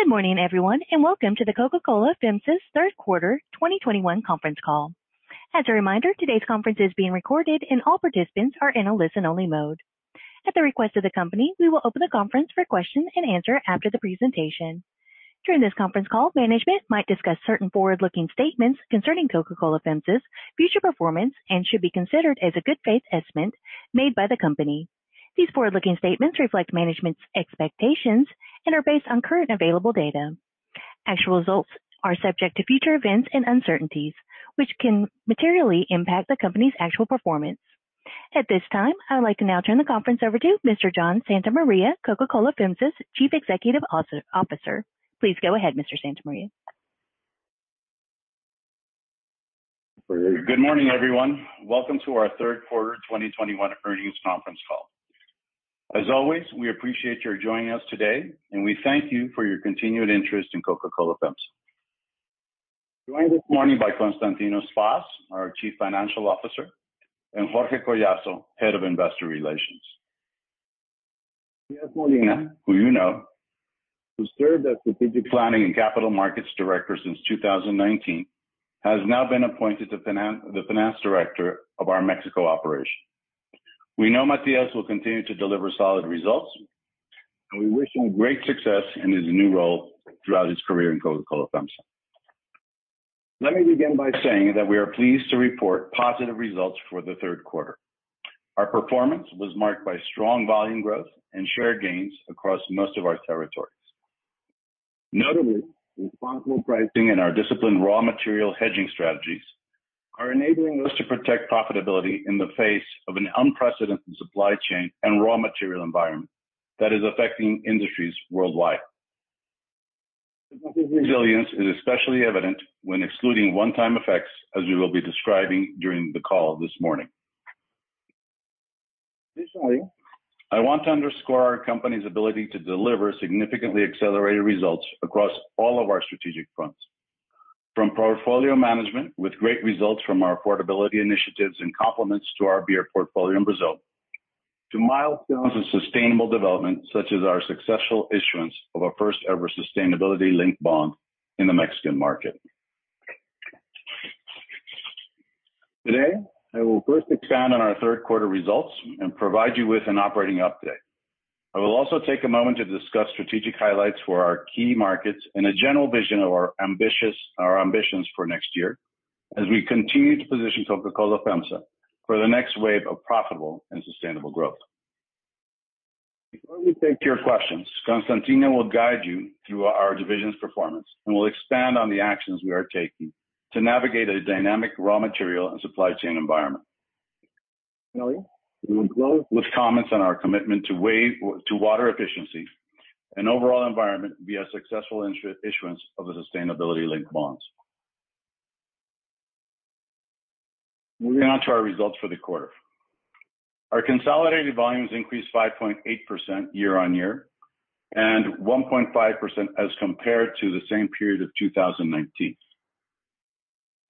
Good morning, everyone, and welcome to the Coca-Cola FEMSA's third quarter 2021 conference call. As a reminder, today's conference is being recorded, and all participants are in a listen-only mode. At the request of the company, we will open the conference for question and answer after the presentation. During this conference call, management might discuss certain forward-looking statements concerning Coca-Cola FEMSA's future performance, and should be considered as a good faith estimate made by the company. These forward-looking statements reflect management's expectations and are based on current available data. Actual results are subject to future events and uncertainties, which can materially impact the company's actual performance. At this time, I would like to now turn the conference over to Mr. John Santa Maria, Coca-Cola FEMSA's Chief Executive Officer. Please go ahead, Mr. Santa Maria. Good morning, everyone. Welcome to our third quarter 2021 earnings conference call. As always, we appreciate your joining us today, and we thank you for your continued interest in Coca-Cola FEMSA. Joined this morning by Constantino Spas, our Chief Financial Officer, and Jorge Collazo, Head of Investor Relations. Matias Molina, who you know, who served as Strategic Planning and Capital Markets Director since 2019, has now been appointed the Finance Director of our Mexico operation. We know Matias will continue to deliver solid results, and we wish him great success in his new role throughout his career in Coca-Cola FEMSA. Let me begin by saying that we are pleased to report positive results for the third quarter. Our performance was marked by strong volume growth and share gains across most of our territories. Notably, responsible pricing and our disciplined raw material hedging strategies are enabling us to protect profitability in the face of an unprecedented supply chain and raw material environment that is affecting industries worldwide. Resilience is especially evident when excluding one-time effects, as we will be describing during the call this morning. Additionally, I want to underscore our company's ability to deliver significantly accelerated results across all of our strategic fronts. From portfolio management, with great results from our affordability initiatives and complements to our beer portfolio in Brazil, to milestones of sustainable development, such as our successful issuance of our first-ever Sustainability-Linked Bond in the Mexican market. Today, I will first expand on our third quarter results and provide you with an operating update. I will also take a moment to discuss strategic highlights for our key markets and a general vision of our ambitious... Our ambitions for next year, as we continue to position Coca-Cola FEMSA for the next wave of profitable and sustainable growth. Before we take to your questions, Constantino will guide you through our divisions' performance and will expand on the actions we are taking to navigate a dynamic raw material and supply chain environment. He will close with comments on our commitment to water efficiency and overall environment via successful issuance of the Sustainability-Linked Bonds. Moving on to our results for the quarter. Our consolidated volumes increased 5.8% year on year, and 1.5% as compared to the same period of 2019.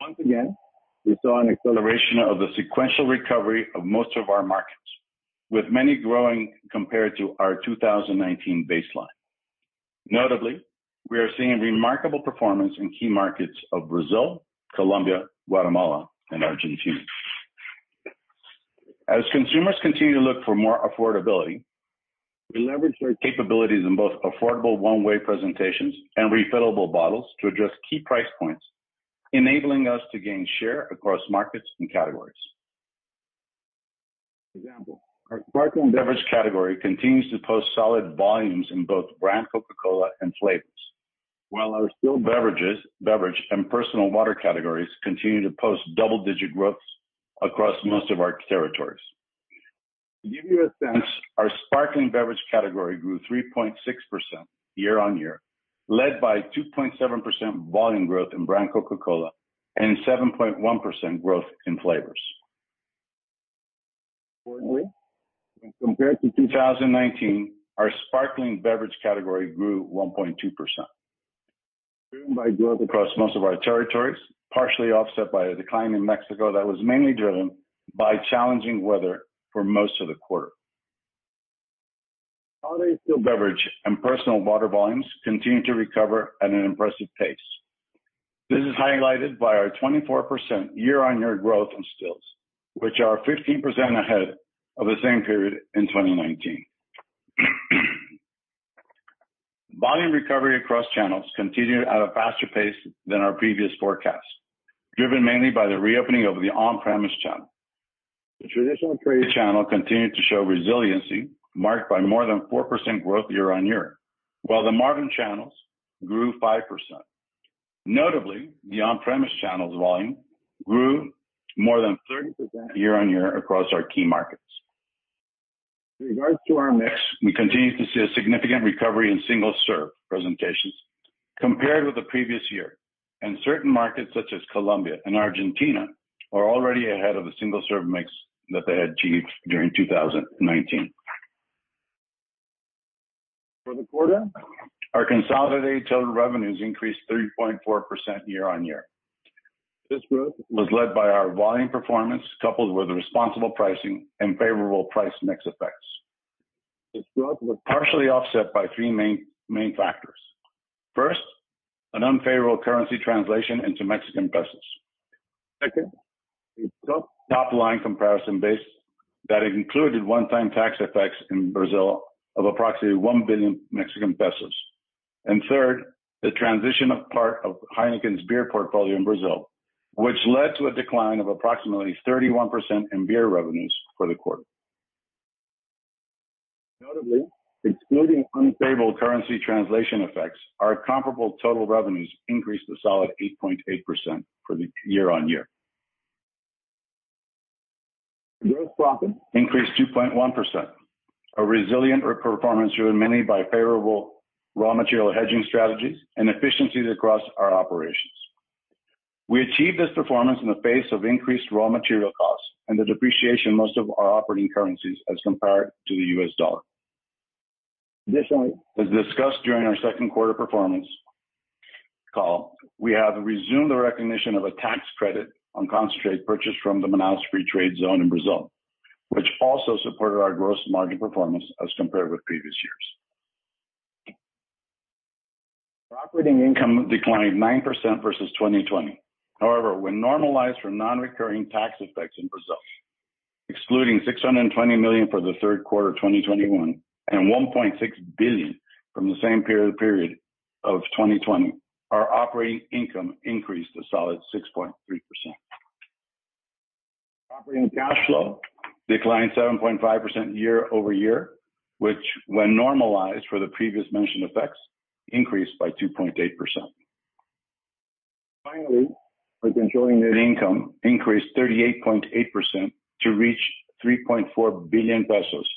Once again, we saw an acceleration of the sequential recovery of most of our markets, with many growing compared to our 2019 baseline. Notably, we are seeing remarkable performance in key markets of Brazil, Colombia, Guatemala, and Argentina. As consumers continue to look for more affordability, we leverage our capabilities in both affordable one-way presentations and refillable bottles to address key price points, enabling us to gain share across markets and categories. For example, our sparkling beverage category continues to post solid volumes in both brand Coca-Cola and flavors, while our still beverages, beverage and personal water categories continue to post double-digit growths across most of our territories. To give you a sense, our sparkling beverage category grew 3.6% year on year, led by 2.7% volume growth in brand Coca-Cola and 7.1% growth in flavors. Compared to 2019, our sparkling beverage category grew 1.2%, driven by growth across most of our territories, partially offset by a decline in Mexico that was mainly driven by challenging weather for most of the quarter. Our still beverage and personal water volumes continue to recover at an impressive pace. This is highlighted by our 24% year-on-year growth in stills, which are 15% ahead of the same period in twenty nineteen. Volume recovery across channels continued at a faster pace than our previous forecast, driven mainly by the reopening of the on-premise channel. The traditional trade channel continued to show resiliency, marked by more than 4% growth year on year, while the modern channels grew 5%. Notably, the on-premise channel's volume grew more than 30% year on year across our key markets. In regard to our mix, we continue to see a significant recovery in single-serve presentations compared with the previous year, and certain markets, such as Colombia and Argentina, are already ahead of the single-serve mix that they had achieved during 2019. For the quarter, our consolidated total revenues increased 3.4% year on year. This growth was led by our volume performance, coupled with the responsible pricing and favorable price mix effects. This growth was partially offset by three main factors: First, an unfavorable currency translation into Mexican pesos. Second, the top line comparison base that included one-time tax effects in Brazil of approximately 1 billion Mexican pesos. And third, the transition of part of Heineken's beer portfolio in Brazil, which led to a decline of approximately 31% in beer revenues for the quarter. Notably, excluding unfavorable currency translation effects, our comparable total revenues increased a solid 8.8% year-on-year. Gross profit increased 2.1%, a resilient performance driven mainly by favorable raw material hedging strategies and efficiencies across our operations. We achieved this performance in the face of increased raw material costs and the depreciation of most of our operating currencies as compared to the U.S. dollar. Additionally, as discussed during our second quarter performance call, we have resumed the recognition of a tax credit on concentrate purchased from the Manaus Free Trade Zone in Brazil, which also supported our gross margin performance as compared with previous years. Our operating income declined 9% versus 2020. However, when normalized for non-recurring tax effects in Brazil, excluding 620 million for the third quarter of 2021 and 1.6 billion BRL from the same period of 2020, our operating income increased a solid 6.3%. Operating cash flow declined 7.5% year-over-year, which when normalized for the previously mentioned effects, increased by 2.8%. Finally, our continuing net income increased 38.8% to reach 3.4 billion pesos,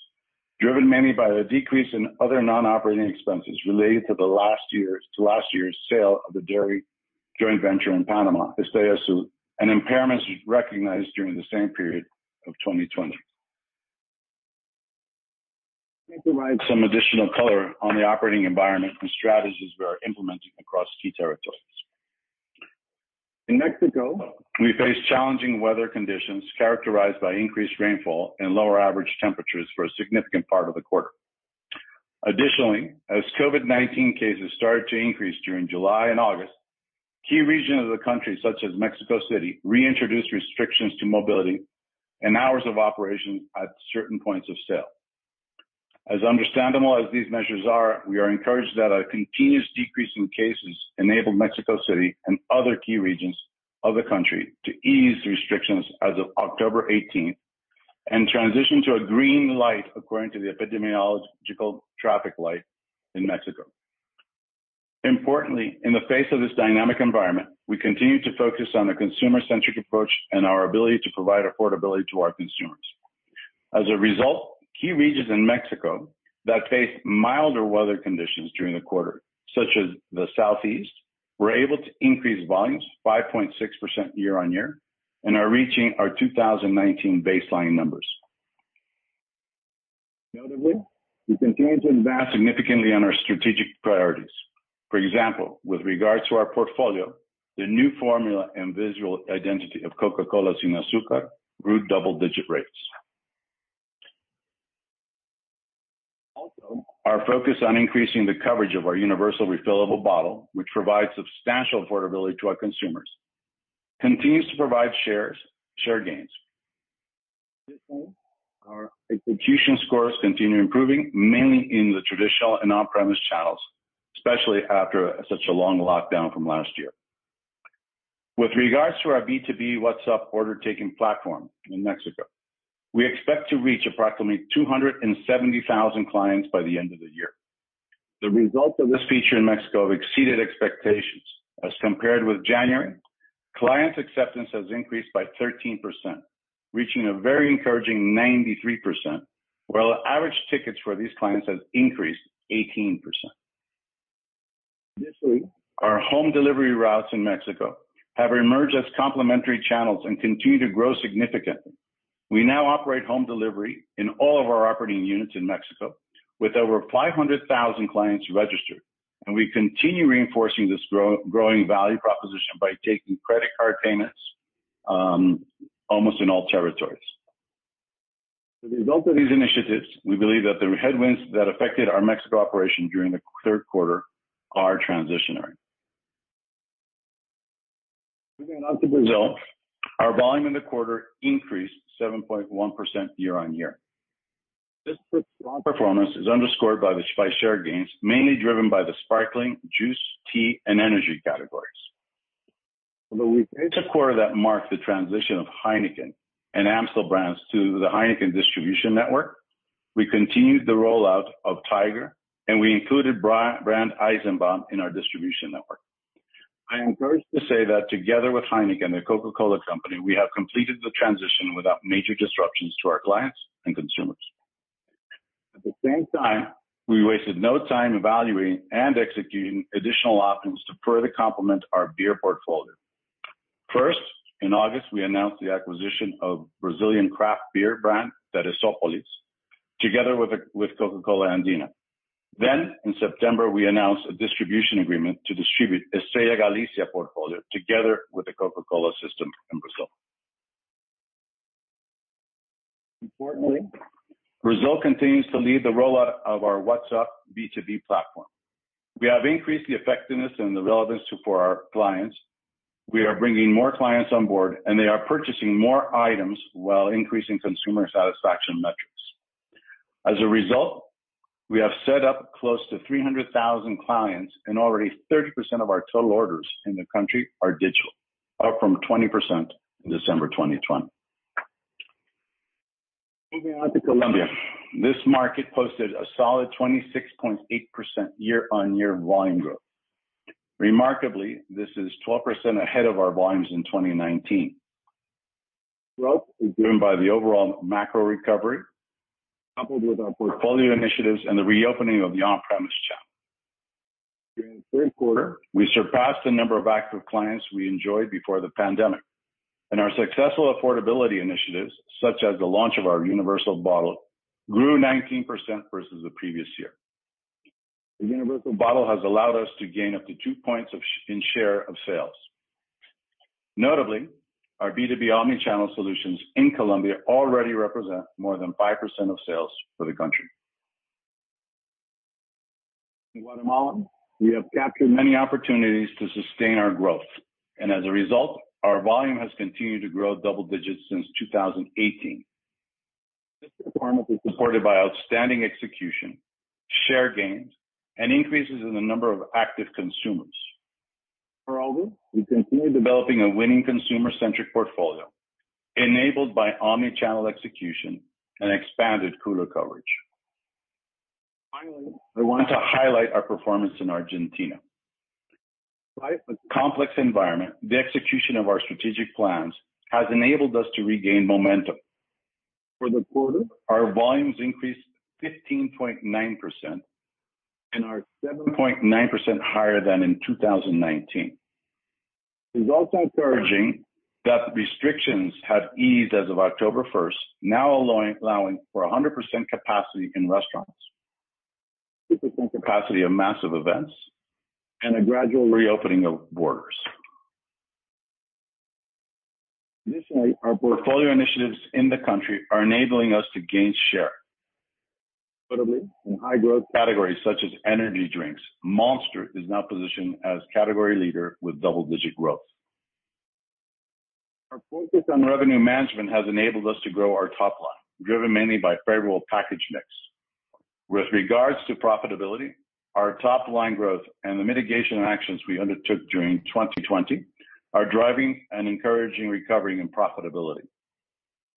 driven mainly by the decrease in other non-operating expenses related to last year's sale of the dairy joint venture in Panama, Estrella Azul, and impairments recognized during the same period of 2020. Let me provide some additional color on the operating environment and strategies we are implementing across key territories. In Mexico, we face challenging weather conditions characterized by increased rainfall and lower average temperatures for a significant part of the quarter. Additionally, as COVID-19 cases started to increase during July and August, key regions of the country, such as Mexico City, reintroduced restrictions to mobility and hours of operation at certain points of sale. As understandable as these measures are, we are encouraged that a continuous decrease in cases enabled Mexico City and other key regions of the country to ease restrictions as of 18th October and transition to a green light, according to the Epidemiological Traffic Light in Mexico. Importantly, in the face of this dynamic environment, we continue to focus on the consumer-centric approach and our ability to provide affordability to our consumers. As a result, key regions in Mexico that faced milder weather conditions during the quarter, such as the Southeast, were able to increase volumes 5.6% year on year and are reaching our 2019 baseline numbers. Notably, we continue to invest significantly on our strategic priorities. For example, with regards to our portfolio, the new formula and visual identity of Coca-Cola Sin Azúcar grew double-digit rates. Also, our focus on increasing the coverage of our Universal Refillable Bottle, which provides substantial affordability to our consumers, continues to provide shares, share gains. Additionally, our execution scores continue improving, mainly in the traditional and on-premise channels, especially after such a long lockdown from last year. With regards to our B2B WhatsApp order-taking platform in Mexico, we expect to reach approximately 270,000 clients by the end of the year. The results of this feature in Mexico have exceeded expectations. As compared with January, clients' acceptance has increased by 13%, reaching a very encouraging 93%, while average tickets for these clients has increased 18%. Initially, our home delivery routes in Mexico have emerged as complementary channels and continue to grow significantly. We now operate home delivery in all of our operating units in Mexico, with over 500,000 clients registered, and we continue reinforcing this growing value proposition by taking credit card payments, almost in all territories. As a result of these initiatives, we believe that the headwinds that affected our Mexico operation during the third quarter are transitory. Moving on to Brazil, our volume in the quarter increased 7.1% year on year. This strong performance is underscored by the share gains, mainly driven by the sparkling, juice, tea, and energy categories. Although it's a quarter that marked the transition of Heineken and Amstel brands to the Heineken distribution network, we continued the rollout of Tiger, and we included brand Eisenbahn in our distribution network. I am pleased to say that together with Heineken and Coca-Cola Company, we have completed the transition without major disruptions to our clients and consumers. At the same time, we wasted no time evaluating and executing additional options to further complement our beer portfolio. First, in August, we announced the acquisition of Brazilian craft beer brand, Therezópolis, together with Coca-Cola Andina. Then in September, we announced a distribution agreement to distribute Estrella Galicia portfolio together with the Coca-Cola system in Brazil. Importantly, Brazil continues to lead the rollout of our WhatsApp B2B platform. We have increased the effectiveness and the relevance to, for our clients. We are bringing more clients on board, and they are purchasing more items while increasing consumer satisfaction metrics. As a result, we have set up close to 300,000 clients, and already 30% of our total orders in the country are digital, up from 20% in December 2020. Moving on to Colombia, this market posted a solid 26.8% year-on-year volume growth. Remarkably, this is 12% ahead of our volumes in 2019. Growth is driven by the overall macro recovery, coupled with our portfolio initiatives and the reopening of the on-premise channel. During the third quarter, we surpassed the number of active clients we enjoyed before the pandemic, and our successful affordability initiatives, such as the launch of our universal Bottle, grew 19% versus the previous year. The Universal Bottle has allowed us to gain up to two points in share of sales. Notably, our B2B omni-channel solutions in Colombia already represent more than 5% of sales for the country. In Guatemala, we have captured many opportunities to sustain our growth, and as a result, our volume has continued to grow double digits since 2018. This performance is supported by outstanding execution, share gains, and increases in the number of active consumers. Overall, we continue developing a winning consumer-centric portfolio, enabled by omni-channel execution and expanded cooler coverage. Finally, I want to highlight our performance in Argentina. Complex environment, the execution of our strategic plans has enabled us to regain momentum. For the quarter, our volumes increased 15.9% and are 7.9% higher than in 2019. It's also encouraging that restrictions have eased as of October first, now allowing for 100% capacity in restaurants, 50% capacity of massive events, and a gradual reopening of borders. Initially, our portfolio initiatives in the country are enabling us to gain share, notably in high-growth categories such as energy drinks. Monster is now positioned as category leader with double-digit growth. Our focus on revenue management has enabled us to grow our top line, driven mainly by favorable package mix. With regards to profitability, our top-line growth and the mitigation actions we undertook during 2020 are driving an encouraging recovery and profitability.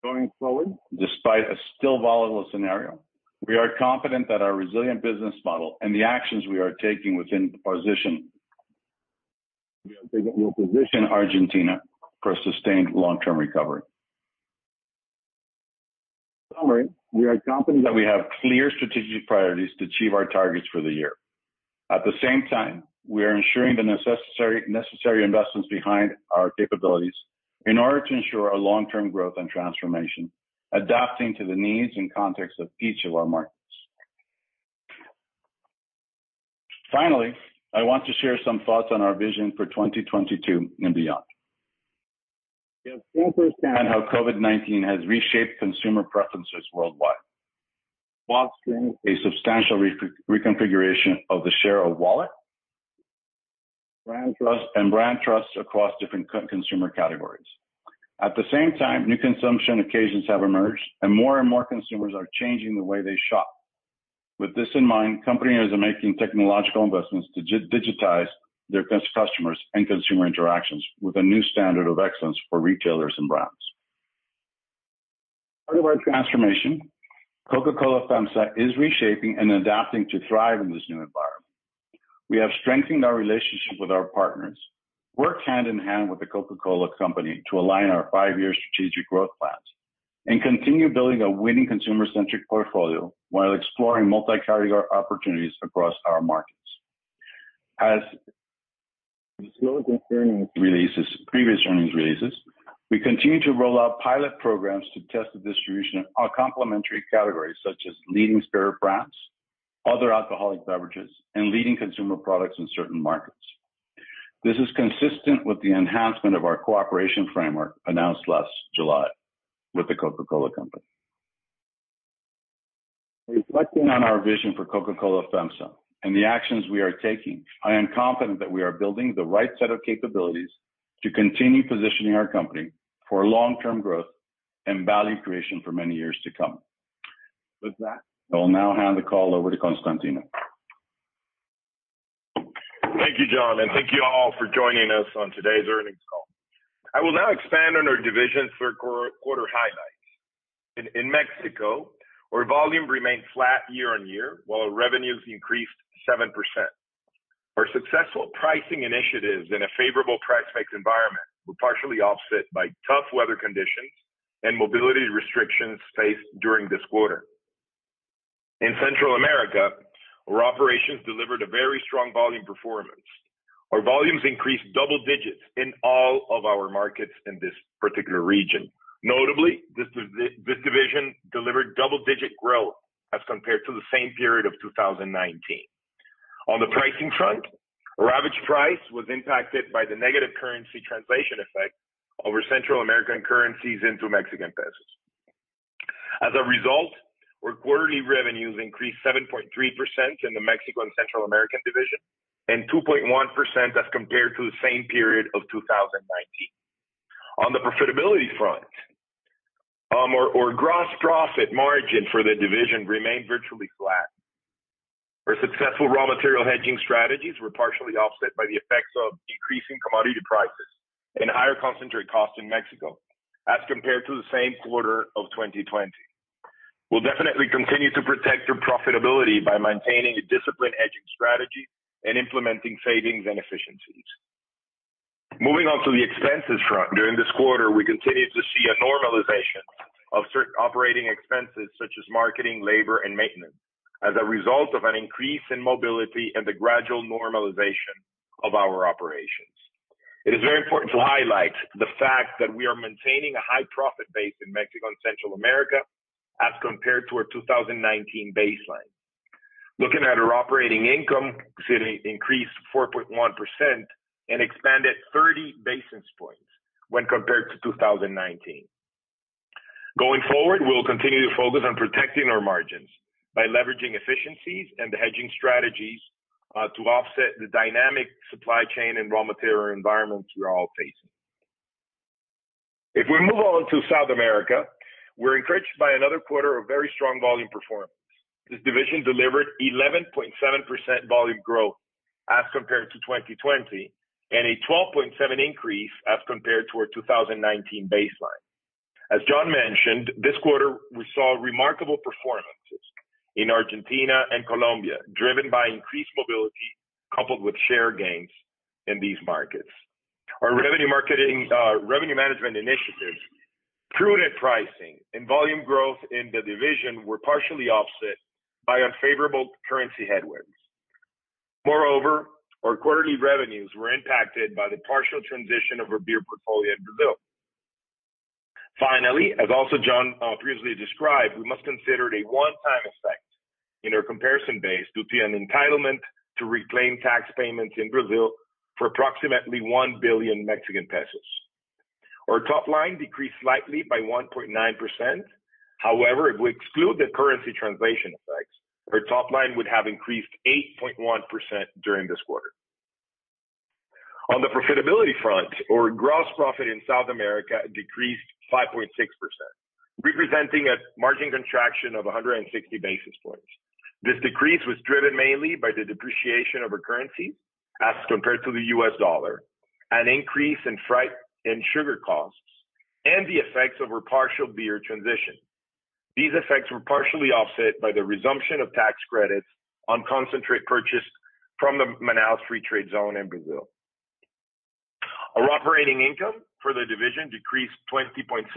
Going forward, despite a still volatile scenario, we are confident that our resilient business model and the actions we are taking will position Argentina for a sustained long-term recovery. summary, we are a company that we have clear strategic priorities to achieve our targets for the year. At the same time, we are ensuring the necessary investments behind our capabilities in order to ensure our long-term growth and transformation, adapting to the needs and context of each of our markets. Finally, I want to share some thoughts on our vision for 2022 and beyond. We have to understand how COVID-19 has reshaped consumer preferences worldwide, while a substantial reconfiguration of the share of wallet, brand trust across different consumer categories. At the same time, new consumption occasions have emerged, and more and more consumers are changing the way they shop. With this in mind, companies are making technological investments to digitize their customers and consumer interactions with a new standard of excellence for retailers and brands. Part of our transformation, Coca-Cola FEMSA is reshaping and adapting to thrive in this new environment. We have strengthened our relationship with our partners, worked hand in hand with the Coca-Cola Company to align our five-year strategic growth plans, and continue building a winning consumer-centric portfolio while exploring multi-category opportunities across our markets. As in previous earnings releases, we continue to roll out pilot programs to test the distribution of complementary categories such as leading spirit brands, other alcoholic beverages, and leading consumer products in certain markets. This is consistent with the enhancement of our cooperation framework announced last July with the Coca-Cola Company. Reflecting on our vision for Coca-Cola FEMSA and the actions we are taking, I am confident that we are building the right set of capabilities to continue positioning our company for long-term growth and value creation for many years to come. With that, I will now hand the call over to Constantino. Thank you, John, and thank you all for joining us on today's earnings call. I will now expand on our division third quarter highlights. In Mexico, our volume remained flat year on year, while our revenues increased 7%. Our successful pricing initiatives in a favorable price mix environment were partially offset by tough weather conditions and mobility restrictions faced during this quarter. In Central America, our operations delivered a very strong volume performance. Our volumes increased double digits in all of our markets in this particular region. Notably, this division delivered double digit growth as compared to the same period of 2019. On the pricing front, our average price was impacted by the negative currency translation effect over Central American currencies into Mexican pesos. As a result, our quarterly revenues increased 7.3% in the Mexico and Central America division, and 2.1% as compared to the same period of 2019. On the profitability front, our gross profit margin for the division remained virtually flat. Our successful raw material hedging strategies were partially offset by the effects of decreasing commodity prices and higher concentrate costs in Mexico, as compared to the same quarter of 2020. We'll definitely continue to protect our profitability by maintaining a disciplined hedging strategy and implementing savings and efficiencies. Moving on to the expenses front. During this quarter, we continued to see a normalization of certain operating expenses such as marketing, labor, and maintenance, as a result of an increase in mobility and the gradual normalization of our operations. It is very important to highlight the fact that we are maintaining a high profit base in Mexico and Central America as compared to our 2019 baseline. Looking at our operating income, it increased 4.1% and expanded 30 basis points when compared to 2019. Going forward, we'll continue to focus on protecting our margins by leveraging efficiencies and the hedging strategies to offset the dynamic supply chain and raw material environment we are all facing. If we move on to South America, we're encouraged by another quarter of very strong volume performance. This division delivered 11.7% volume growth as compared to 2020, and a 12.7% increase as compared to our 2019 baseline. As John mentioned, this quarter, we saw remarkable performances in Argentina and Colombia, driven by increased mobility, coupled with share gains in these markets. Our revenue marketing, revenue management initiatives, prudent pricing and volume growth in the division were partially offset by unfavorable currency headwinds. Moreover, our quarterly revenues were impacted by the partial transition of our beer portfolio in Brazil. Finally, as also John, previously described, we must consider it a one-time effect in our comparison base due to an entitlement to reclaim tax payments in Brazil for approximately 1 billion Mexican pesos. Our top line decreased slightly by 1.9%. However, if we exclude the currency translation effects, our top line would have increased 8.1% during this quarter. On the profitability front, our gross profit in South America decreased 5.6%, representing a margin contraction of 160 basis points. This decrease was driven mainly by the depreciation of our currencies as compared to the U.S. dollar, an increase in freight and sugar costs, and the effects of our partial beer transition. These effects were partially offset by the resumption of tax credits on concentrate purchased from the Manaus Free Trade Zone in Brazil. Our operating income for the division decreased 20.6%.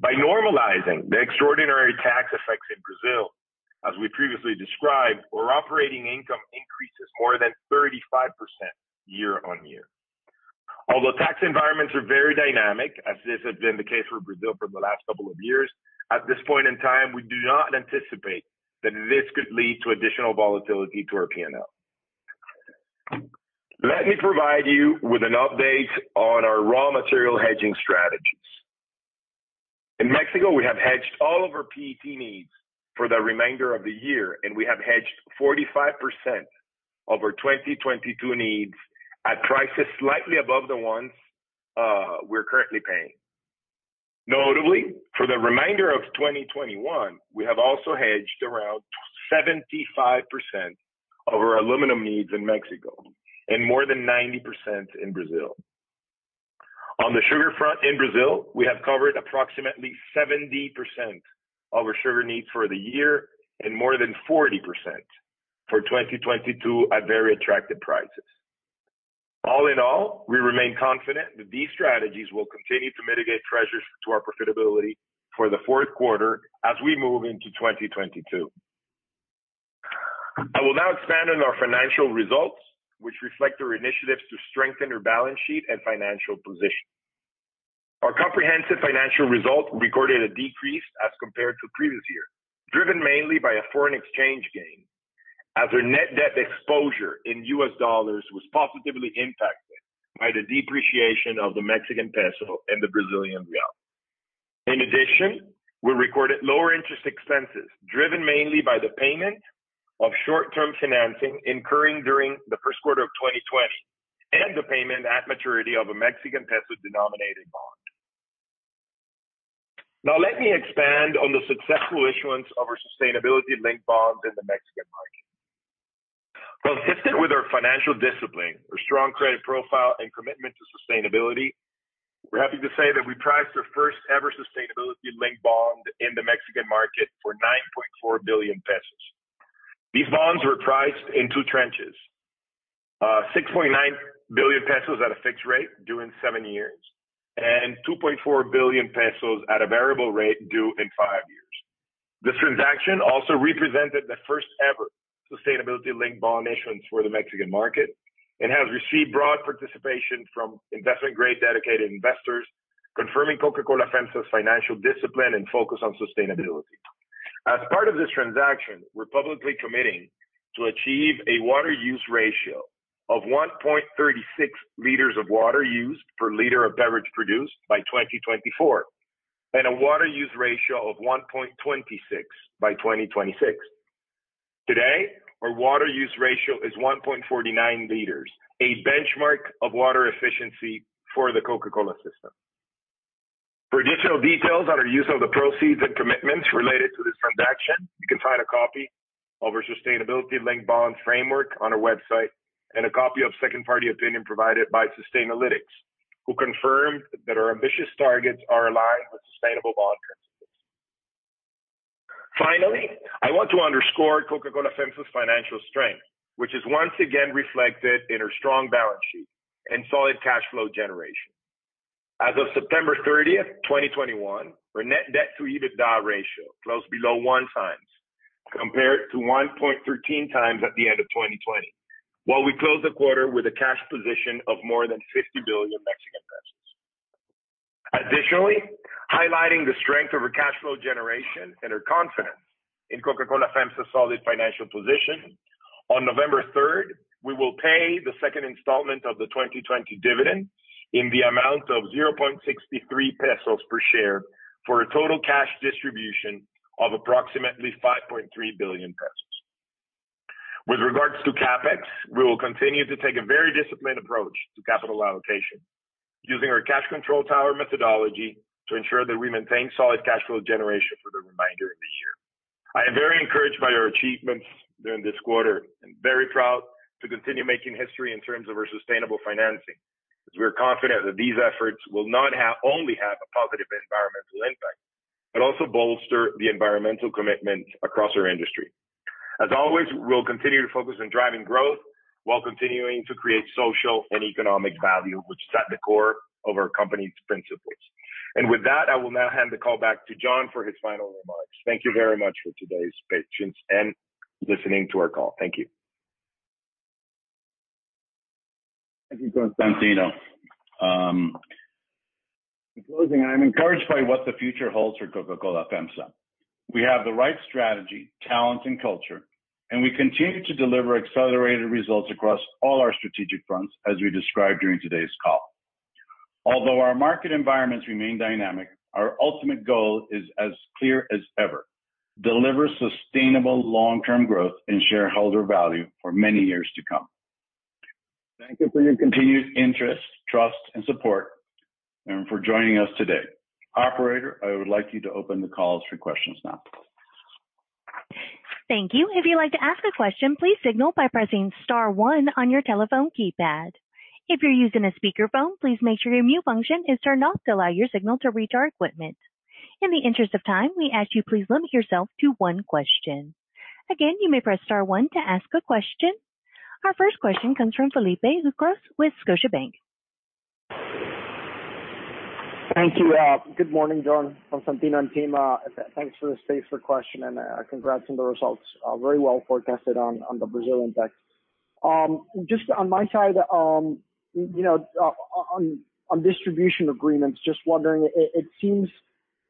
By normalizing the extraordinary tax effects in Brazil, as we previously described, our operating income increases more than 35% year on year. Although tax environments are very dynamic, as this has been the case for Brazil for the last couple of years, at this point in time, we do not anticipate that this could lead to additional volatility to our P&L. Let me provide you with an update on our raw material hedging strategies. In Mexico, we have hedged all of our PET needs for the remainder of the year, and we have hedged 45% of our 2022 needs at prices slightly above the ones we're currently paying. Notably, for the remainder of 2021, we have also hedged around 75% of our aluminum needs in Mexico and more than 90% in Brazil. On the sugar front in Brazil, we have covered approximately 70% of our sugar needs for the year and more than 40% for 2022 at very attractive prices. All in all, we remain confident that these strategies will continue to mitigate pressures to our profitability for the fourth quarter as we move into twenty twenty-two. I will now expand on our financial results, which reflect our initiatives to strengthen our balance sheet and financial position. Our comprehensive financial results recorded a decrease as compared to the previous year, driven mainly by a foreign exchange gain, as our net debt exposure in U.S. dollars was positively impacted by the depreciation of the Mexican peso and the Brazilian real. In addition, we recorded lower interest expenses, driven mainly by the payment of short-term financing incurring during the first quarter of twenty twenty, and the payment at maturity of a Mexican peso-denominated bond. Now, let me expand on the successful issuance of our Sustainability-Linked Bonds in the Mexican market. Consistent with our financial discipline, our strong credit profile, and commitment to sustainability, we're happy to say that we priced our first-ever Sustainability-Linked Bond in the Mexican market for 9.4 billion pesos. These bonds were priced in two tranches. Six point nine billion pesos at a fixed rate, due in seven years, and two point four billion pesos at a variable rate, due in five years. This transaction also represented the first ever Sustainability-Linked Bond issuance for the Mexican market, and has received broad participation from investment-grade dedicated investors, confirming Coca-Cola FEMSA's financial discipline and focus on sustainability. As part of this transaction, we're publicly committing to achieve a water use ratio of 1.36 liters of water used per liter of beverage produced by 2024, and a water use ratio of 1.26 by 2026. Today, our water use ratio is 1.49L, a benchmark of water efficiency for the Coca-Cola system. For additional details on our use of the proceeds and commitments related to this transaction, you can find a copy of our Sustainability-Linked Bond Framework on our website, and a copy of second party opinion provided by Sustainalytics, who confirmed that our ambitious targets are aligned with Sustainable Bond Principles. Finally, I want to underscore Coca-Cola FEMSA's financial strength, which is once again reflected in our strong balance sheet and solid cash flow generation. As of September thirtieth, 2021, our net debt to EBITDA ratio closed below one times, compared to 1.13 times at the end of 2020. While we closed the quarter with a cash position of more than 50 billion Mexican pesos. Additionally, highlighting the strength of our cash flow generation and our confidence in Coca-Cola FEMSA's solid financial position, on November third, we will pay the second installment of the 2020 dividend in the amount of 0.63 pesos per share, for a total cash distribution of approximately 5.3 billion pesos. With regards to CapEx, we will continue to take a very disciplined approach to capital allocation, using our cash control tower methodology to ensure that we maintain solid cash flow generation for the remainder of the year. I am very encouraged by our achievements during this quarter, and very proud to continue making history in terms of our sustainable financing, as we are confident that these efforts will not only have a positive environmental impact, but also bolster the environmental commitment across our industry. As always, we'll continue to focus on driving growth while continuing to create social and economic value, which is at the core of our company's principles, and with that, I will now hand the call back to John for his final remarks. Thank you very much for today's patience and listening to our call. Thank you. Thank you, Constantino. In closing, I'm encouraged by what the future holds for Coca-Cola FEMSA. We have the right strategy, talent, and culture, and we continue to deliver accelerated results across all our strategic fronts, as we described during today's call. Although our market environments remain dynamic, our ultimate goal is as clear as ever: deliver sustainable long-term growth and shareholder value for many years to come. Thank you for your continued interest, trust and support, and for joining us today. Operator, I would like you to open the calls for questions now. Thank you. If you'd like to ask a question, please signal by pressing star one on your telephone keypad. If you're using a speakerphone, please make sure your mute function is turned off to allow your signal to reach our equipment. In the interest of time, we ask you please limit yourself to one question. Again, you may press star oneto ask a question. Our first question comes from Felipe Ucros with Scotiabank. Thank you. Good morning, John, Constantino, and team. Thanks for the space for question, and, congrats on the results, very well forecasted on the Brazilian deck. Just on my side, you know, on distribution agreements, just wondering, it seems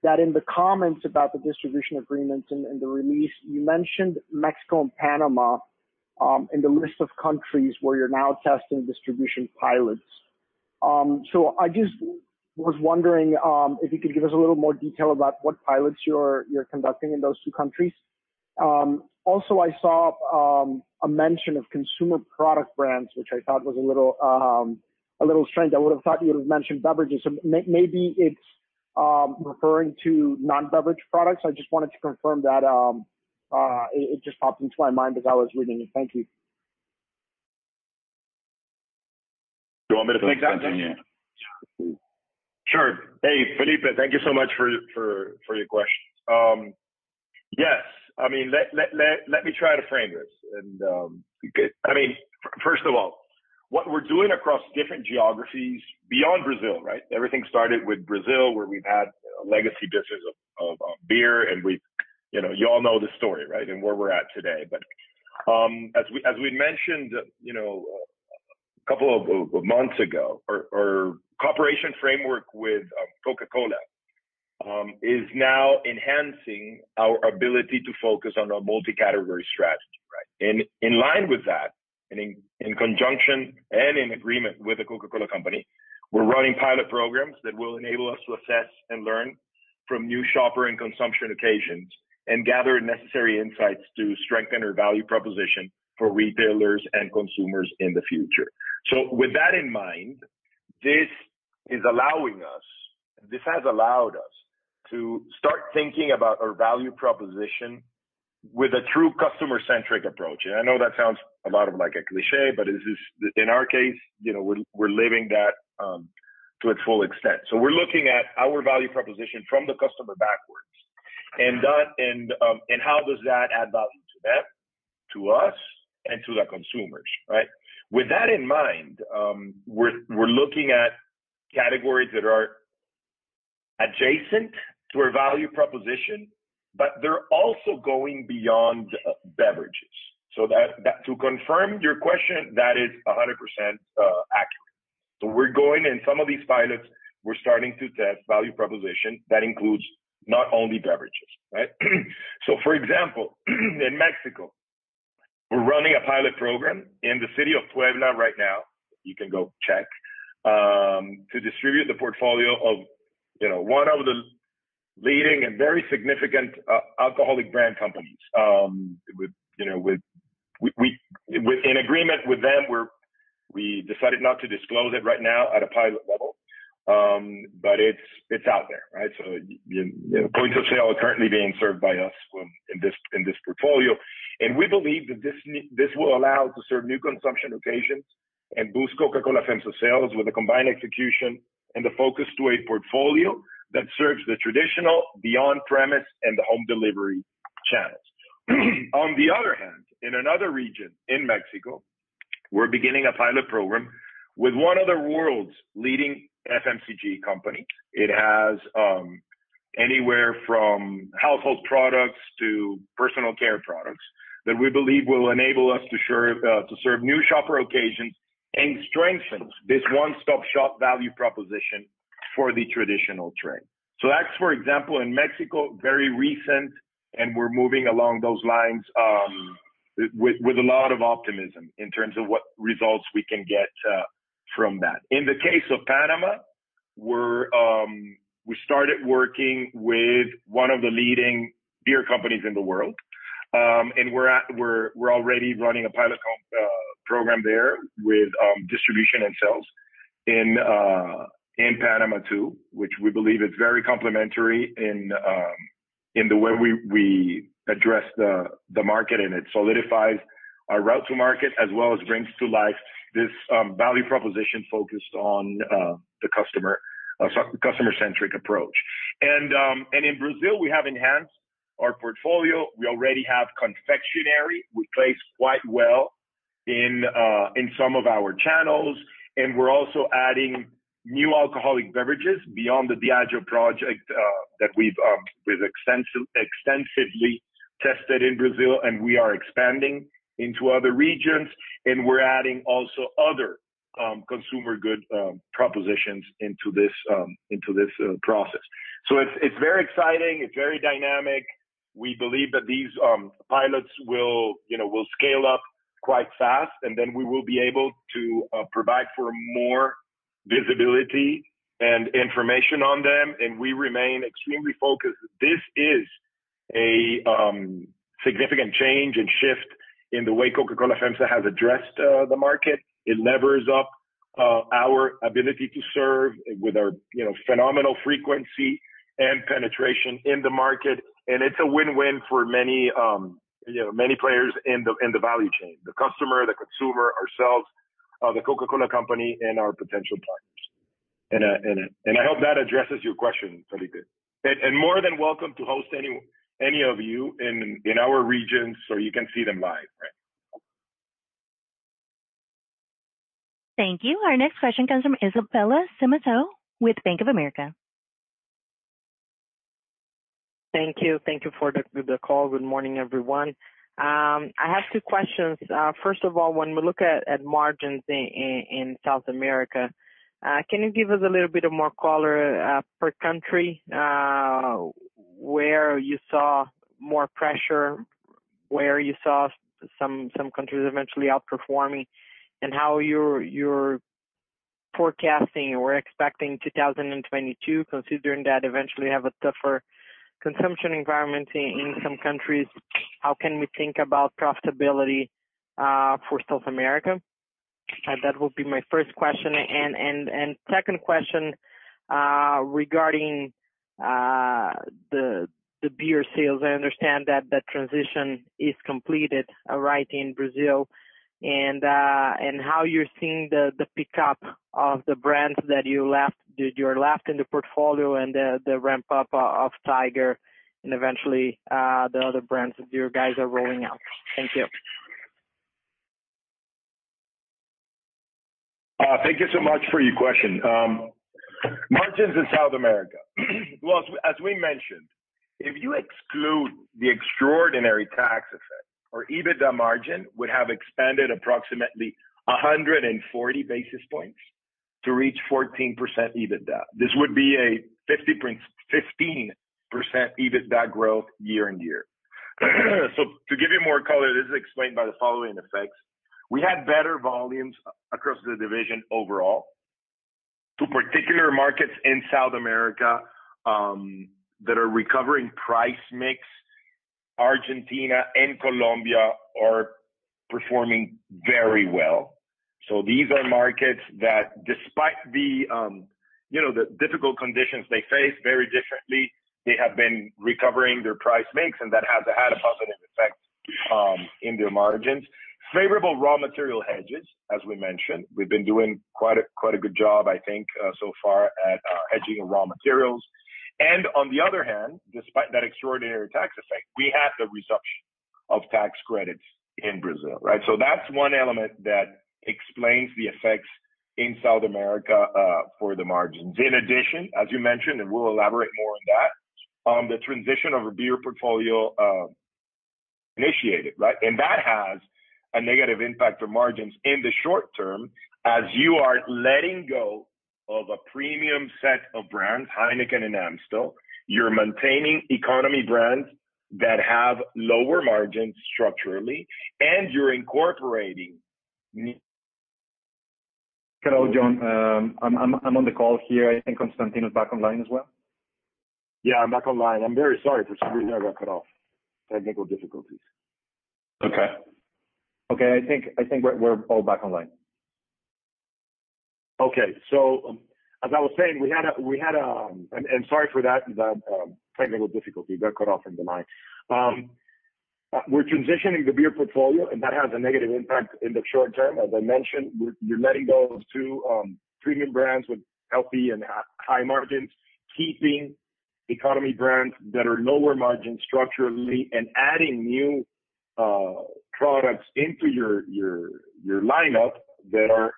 that in the comments about the distribution agreements in the release, you mentioned Mexico and Panama, in the list of countries where you're now testing distribution pilots, so I just was wondering, if you could give us a little more detail about what pilots you're conducting in those two countries. Also, I saw a mention of consumer product brands, which I thought was a little strange. I would have thought you would have mentioned beverages, so maybe it's referring to non-beverage products. I just wanted to confirm that. It just popped into my mind as I was reading it. Thank you. You want me to take that, Constantino? Sure. Hey, Felipe, thank you so much for your questions. Yes. I mean, let me try to frame this. First of all, what we're doing across different geographies beyond Brazil, right? Everything started with Brazil, where we've had legacy business of beer, and we, you know, you all know the story, right? And where we're at today, but as we mentioned, you know, a couple of months ago, our cooperation framework with Coca-Cola is now enhancing our ability to focus on our multi-category strategy, right? And in line with that, and in conjunction and in agreement with the Coca-Cola Company, we're running pilot programs that will enable us to assess and learn from new shopper and consumption occasions, and gather necessary insights to strengthen our value proposition for retailers and consumers in the future. So with that in mind, this is allowing us... This has allowed us to start thinking about our value proposition with a true customer-centric approach. And I know that sounds a lot like a cliché, but it is, in our case, you know, we're living that to its full extent. So we're looking at our value proposition from the customer backwards... and that, and how does that add value to them, to us, and to the consumers, right? With that in mind, we're looking at categories that are adjacent to our value proposition, but they're also going beyond beverages. So that to confirm your question, that is 100% accurate. So we're going, in some of these pilots, we're starting to test value proposition that includes not only beverages, right? So for example, in Mexico, we're running a pilot program in the city of Puebla right now, you can go check to distribute the portfolio of one of the leading and very significant alcoholic brand companies. With in agreement with them, we decided not to disclose it right now at a pilot level, but it's out there, right? So you know, points of sale are currently being served by us when in this portfolio. And we believe that this will allow us to serve new consumption occasions and boost Coca-Cola FEMSA sales with a combined execution and the focus on a portfolio that serves the traditional beyond on-premise and the home delivery channels. On the other hand, in another region in Mexico, we're beginning a pilot program with one of the world's leading FMCG companies. It has anywhere from household products to personal care products that we believe will enable us to serve new shopper occasions and strengthen this one-stop shop value proposition for the traditional trade. So that's, for example, in Mexico, very recent, and we're moving along those lines with a lot of optimism in terms of what results we can get from that. In the case of Panama, we started working with one of the leading beer companies in the world. And we're already running a pilot program there with distribution and sales in Panama too, which we believe is very complementary in the way we address the market, and it solidifies our route to market, as well as brings to life this value proposition focused on the customer-centric approach. And in Brazil, we have enhanced our portfolio. We already have confectionery. We place quite well in some of our channels, and we're also adding new alcoholic beverages beyond the Diageo project that we've extensively tested in Brazil, and we are expanding into other regions, and we're adding also other consumer good propositions into this process. So it's very exciting. It's very dynamic. We believe that these pilots will, you know, will scale up quite fast, and then we will be able to provide for more visibility and information on them, and we remain extremely focused. This is a significant change and shift in the way Coca-Cola FEMSA has addressed the market. It levers up our ability to serve with our, you know, phenomenal frequency and penetration in the market, and it's a win-win for many, you know, many players in the value chain: the customer, the consumer, ourselves, the Coca-Cola Company, and our potential partners. And I hope that addresses your question, Felipe. And more than welcome to host any of you in our regions so you can see them live, right? Thank you. Our next question comes from Isabella Simonato with Bank of America. Thank you. Thank you for the call. Good morning, everyone. I have two questions. First of all, when we look at margins in South America, can you give us a little bit of more color per country, where you saw more pressure, where you saw some countries eventually outperforming, and how you're forecasting or expecting two thousand and twenty-two, considering that eventually you have a tougher consumption environment in some countries, how can we think about profitability for South America? That will be my first question, and second question, regarding the beer sales. I understand that the transition is completed right in Brazil, and how you're seeing the pickup of the brands that you left... You left in the portfolio and the ramp-up of Tiger and eventually, the other brands that you guys are rolling out. Thank you. Thank you so much for your question. Margins in South America. Well, as we mentioned, if you exclude the extraordinary tax effect or EBITDA margin would have expanded approximately 140 basis points to reach 14% EBITDA. This would be a 50.15% EBITDA growth year on year. So to give you more color, this is explained by the following effects: We had better volumes across the division overall. Two particular markets in South America that are recovering price mix, Argentina and Colombia, are performing very well. So these are markets that despite the, you know, the difficult conditions they face very differently, they have been recovering their price mix, and that has had a positive effect in their margins. Favorable raw material hedges, as we mentioned. We've been doing quite a good job, I think, so far at hedging of raw materials. And on the other hand, despite that extraordinary tax effect, we had the resumption of tax credits in Brazil, right? So that's one element that explains the effects in South America for the margins. In addition, as you mentioned, and we'll elaborate more on that, on the transition of our beer portfolio initiated, right? And that has a negative impact for margins in the short term, as you are letting go of a premium set of brands, Heineken and Amstel. You're maintaining economy brands that have lower margins structurally, and you're incorporating ne- Hello, John, I'm on the call here. I think Constantino's back online as well. Yeah, I'm back online. I'm very sorry, for some reason, I got cut off. Technical difficulties. Okay, I think we're all back online. Okay. So, as I was saying. And sorry for that technical difficulty. Got cut off in the line. We're transitioning the beer portfolio, and that has a negative impact in the short term. As I mentioned, we're—you're letting go of two premium brands with healthy and high margins, keeping economy brands that are lower margin structurally and adding new products into your lineup that are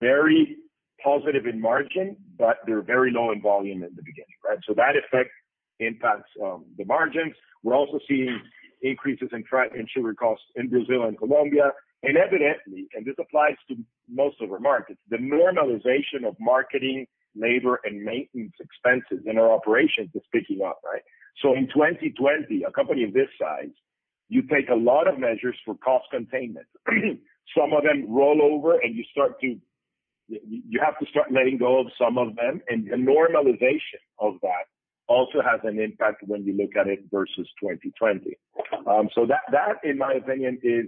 very positive in margin, but they're very low in volume in the beginning, right? So that effect impacts the margins. We're also seeing increases in sugar costs in Brazil and Colombia. And evidently, this applies to most of our markets, the normalization of marketing, labor, and maintenance expenses in our operations is picking up, right? So in twenty twenty, a company of this size, you take a lot of measures for cost containment. Some of them roll over and you start to have to start letting go of some of them, and the normalization of that also has an impact when you look at it versus twenty twenty. So that, in my opinion, is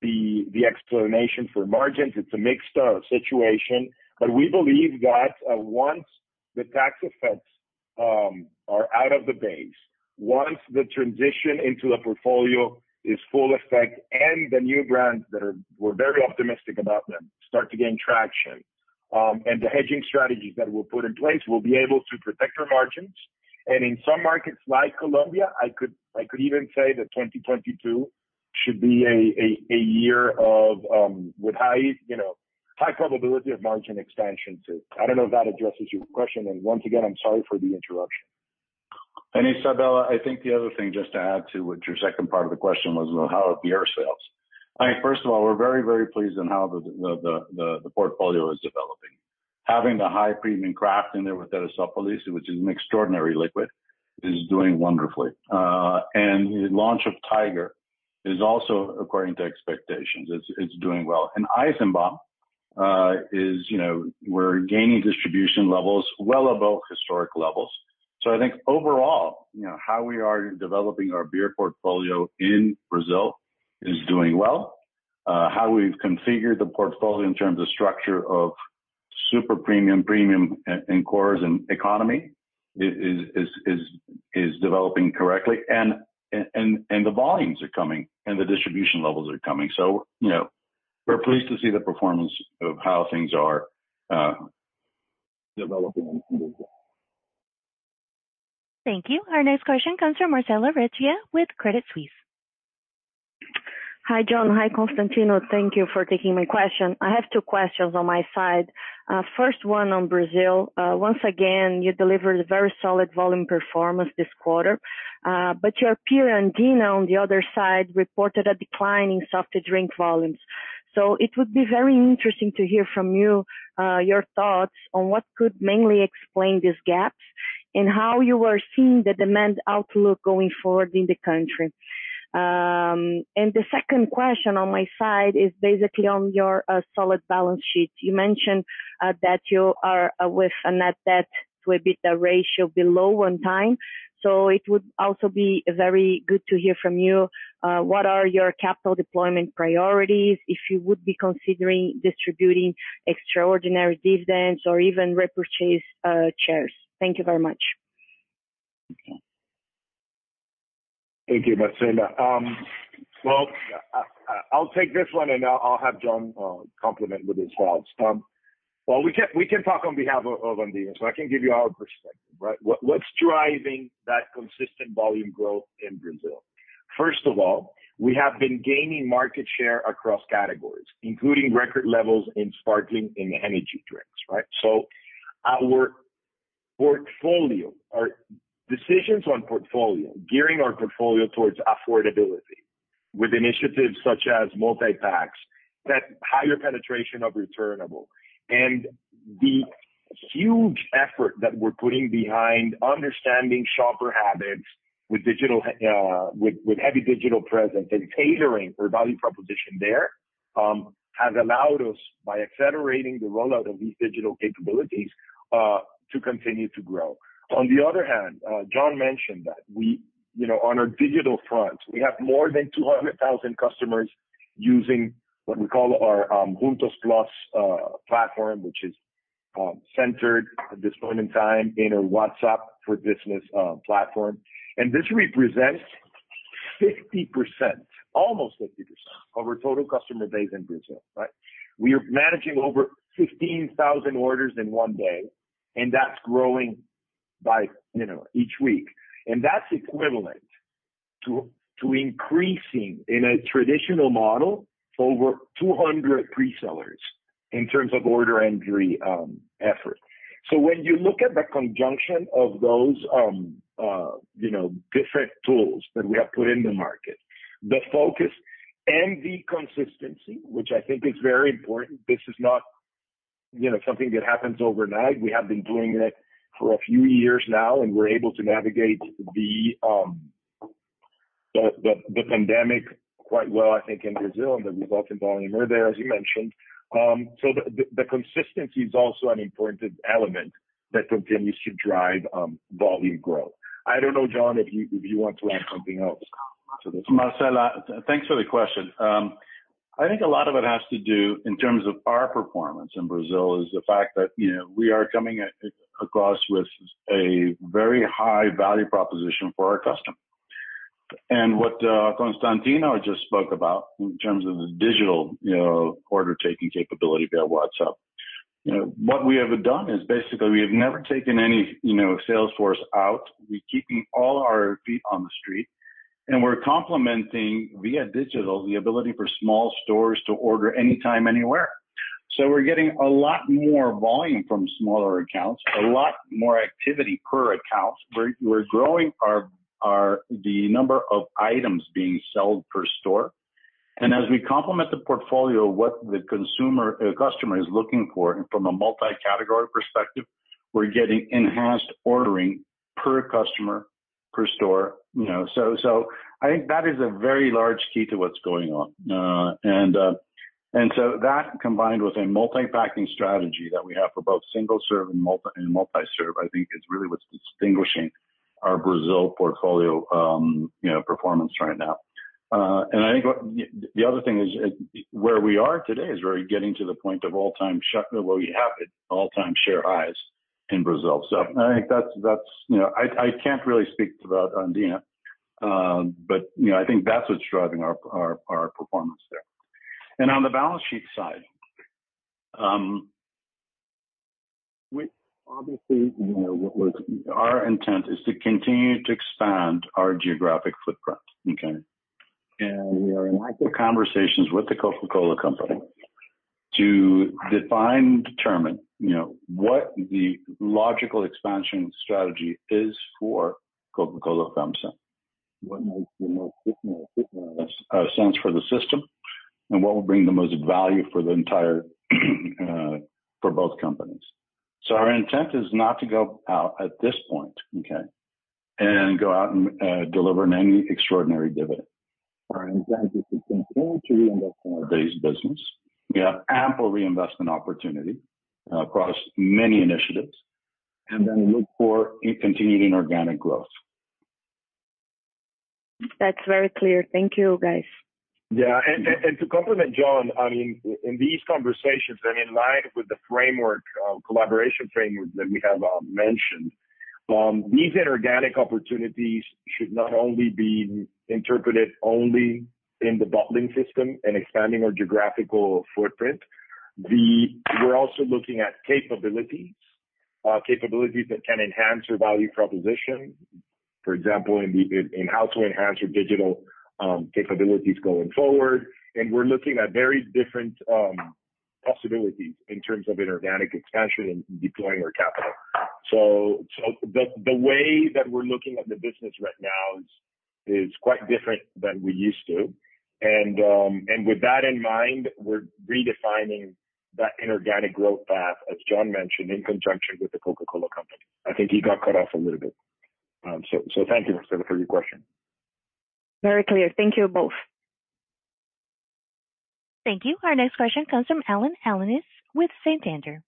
the explanation for margins. It's a mixed situation, but we believe that once the tax effects are out of the base, once the transition into the portfolio is full effect, and the new brands that we're very optimistic about them, start to gain traction, and the hedging strategies that we'll put in place will be able to protect our margins. In some markets like Colombia, I could even say that 2022 should be a year with high, you know, high probability of margin expansion, too. I don't know if that addresses your question, and once again, I'm sorry for the interruption. And Isabella, I think the other thing, just to add to what your second part of the question was about how are beer sales. I think, first of all, we're very, very pleased on how the portfolio is developing. Having the high premium craft in there with the Therezópolis, which is an extraordinary liquid, is doing wonderfully. And the launch of Tiger is also according to expectations. It's doing well. And Eisenbahn is, you know, we're gaining distribution levels well above historic levels. So I think overall, you know, how we are developing our beer portfolio in Brazil is doing well. How we've configured the portfolio in terms of structure of super-premium, premium, and core and economy is developing correctly, and the volumes are coming, and the distribution levels are coming. You know, we're pleased to see the performance of how things are developing in Brazil. Thank you. Our next question comes from Marcella Recchia with Credit Suisse. Hi, John. Hi, Constantino. Thank you for taking my question. I have two questions on my side. First one on Brazil. Once again, you delivered a very solid volume performance this quarter, but your peer, Andina, on the other side, reported a decline in soft drink volumes. So it would be very interesting to hear from you your thoughts on what could mainly explain this gap, and how you are seeing the demand outlook going forward in the country. And the second question on my side is basically on your solid balance sheet. You mentioned that you are with a net debt to EBITDA ratio below one time. So it would also be very good to hear from you what are your capital deployment priorities, if you would be considering distributing extraordinary dividends or even repurchase shares? Thank you very much. Thank you, Marcella. I'll take this one, and I'll have John comment with his thoughts. We can talk on behalf of Andina, so I can give you our perspective, right? What's driving that consistent volume growth in Brazil? First of all, we have been gaining market share across categories, including record levels in sparkling and energy drinks, right? So our portfolio, our decisions on portfolio, gearing our portfolio towards affordability, with initiatives such as multi-packs, that higher penetration of returnable, and the huge effort that we're putting behind understanding shopper habits with digital, with heavy digital presence and tailoring our value proposition there, has allowed us, by accelerating the rollout of these digital capabilities, to continue to grow. On the other hand, John mentioned that we, you know, on our digital front, we have more than two hundred thousand customers using what we call our Juntos Plus platform, which is centered at this point in time in a WhatsApp for Business platform. This represents 50%, almost 50% of our total customer base in Brazil, right? We are managing over fifteen thousand orders in one day, and that's growing by, you know, each week. And that's equivalent to increasing in a traditional model over two hundred pre-sellers in terms of order entry effort. So when you look at the conjunction of those, you know, different tools that we have put in the market, the focus and the consistency, which I think is very important, this is not, you know, something that happens overnight. We have been doing it for a few years now, and we're able to navigate the pandemic quite well, I think, in Brazil, and the results in volume are there, as you mentioned. So the consistency is also an important element that continues to drive volume growth. I don't know, John, if you want to add something else to this. Marcella, thanks for the question. I think a lot of it has to do in terms of our performance in Brazil, is the fact that, you know, we are coming across with a very high value proposition for our customer. And what, Constantino just spoke about in terms of the digital, you know, order taking capability via WhatsApp. You know, what we have done is basically we have never taken any, you know, sales force out. We're keeping all our feet on the street, and we're complementing, via digital, the ability for small stores to order anytime, anywhere. So we're getting a lot more volume from smaller accounts, a lot more activity per account. We're growing our... the number of items being sold per store. As we complement the portfolio, what the consumer, customer is looking for from a multi-category perspective, we're getting enhanced ordering per customer, per store, you know. So I think that is a very large key to what's going on. And so that, combined with a multi-packing strategy that we have for both single serve and multi-serve, I think is really what's distinguishing our Brazil portfolio, you know, performance right now. And I think the other thing is, where we are today is we're getting to the point of all-time share highs in Brazil. Well, we have hit all-time share highs in Brazil. So I think that's, you know. I can't really speak to the Andina, but, you know, I think that's what's driving our performance there. On the balance sheet side, we obviously, you know, what was our intent is to continue to expand our geographic footprint, okay? We are in active conversations with the Coca-Cola Company to define and determine, you know, what the logical expansion strategy is for Coca-Cola FEMSA. What makes the most sense for the system and what will bring the most value for the entire for both companies. Our intent is not to go out at this point, okay, and go out and deliver any extraordinary dividend. Our intent is to continue to reinvest in our base business. We have ample reinvestment opportunity across many initiatives, and then look for continuing organic growth. That's very clear. Thank you, guys. Yeah. And to complement John, I mean, in these conversations and in line with the framework, collaboration framework that we have mentioned, these inorganic opportunities should not only be interpreted only in the bottling system and expanding our geographical footprint. We're also looking at capabilities that can enhance our value proposition. For example, in how to enhance our digital capabilities going forward. And we're looking at very different possibilities in terms of inorganic expansion and deploying our capital. So the way that we're looking at the business right now is quite different than we used to. And with that in mind, we're redefining that inorganic growth path, as John mentioned, in conjunction with the Coca-Cola Company. I think he got cut off a little bit. Thank you, Marcella, for your question. Very clear. Thank you both. Thank you. Our next question comes from Alan Alanis with Santander.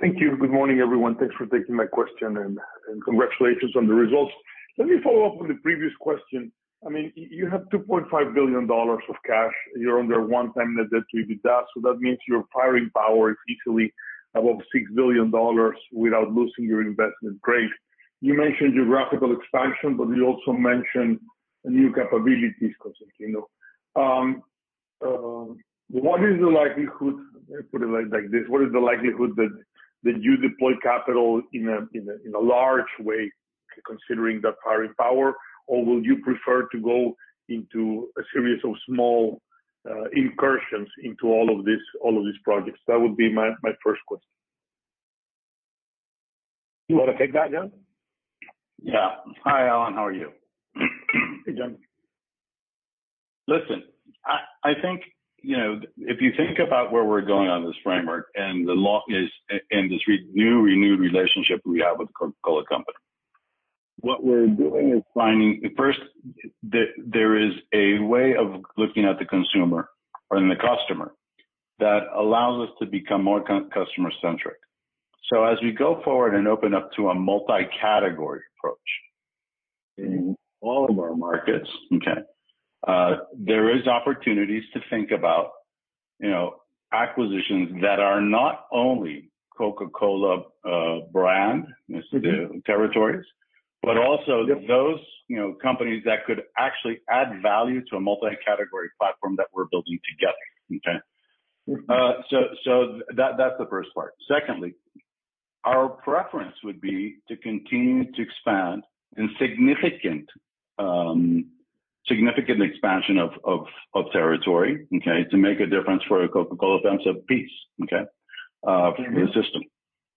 Thank you. Good morning, everyone. Thanks for taking my question, and congratulations on the results. Let me follow up on the previous question. I mean, you have $2.5 billion of cash. You're under one times net debt to EBITDA, so that means your firepower is easily above $6 billion without losing your investment grade. You mentioned geographical expansion, but you also mentioned new capabilities, Constantino. What is the likelihood? Let me put it like this: What is the likelihood that you deploy capital in a large way, considering that firepower? Or will you prefer to go into a series of small incursions into all of these projects? That would be my first question. You want to take that, John? Yeah. Hi, Alan, how are you? Hey, John. Listen, I think, you know, if you think about where we're going on this framework and the long-term and this renewed relationship we have with Coca-Cola Company, what we're doing is finding. First, there is a way of looking at the consumer or the customer, that allows us to become more customer-centric. So as we go forward and open up to a multi-category approach in all of our markets, okay, there are opportunities to think about, you know, acquisitions that are not only Coca-Cola brand territories, but also those, you know, companies that could actually add value to a multi-category platform that we're building together, okay? So that, that's the first part. Secondly, our preference would be to continue to expand in significant expansion of territory, okay? To make a difference for a Coca-Cola defensive piece, okay, for the system.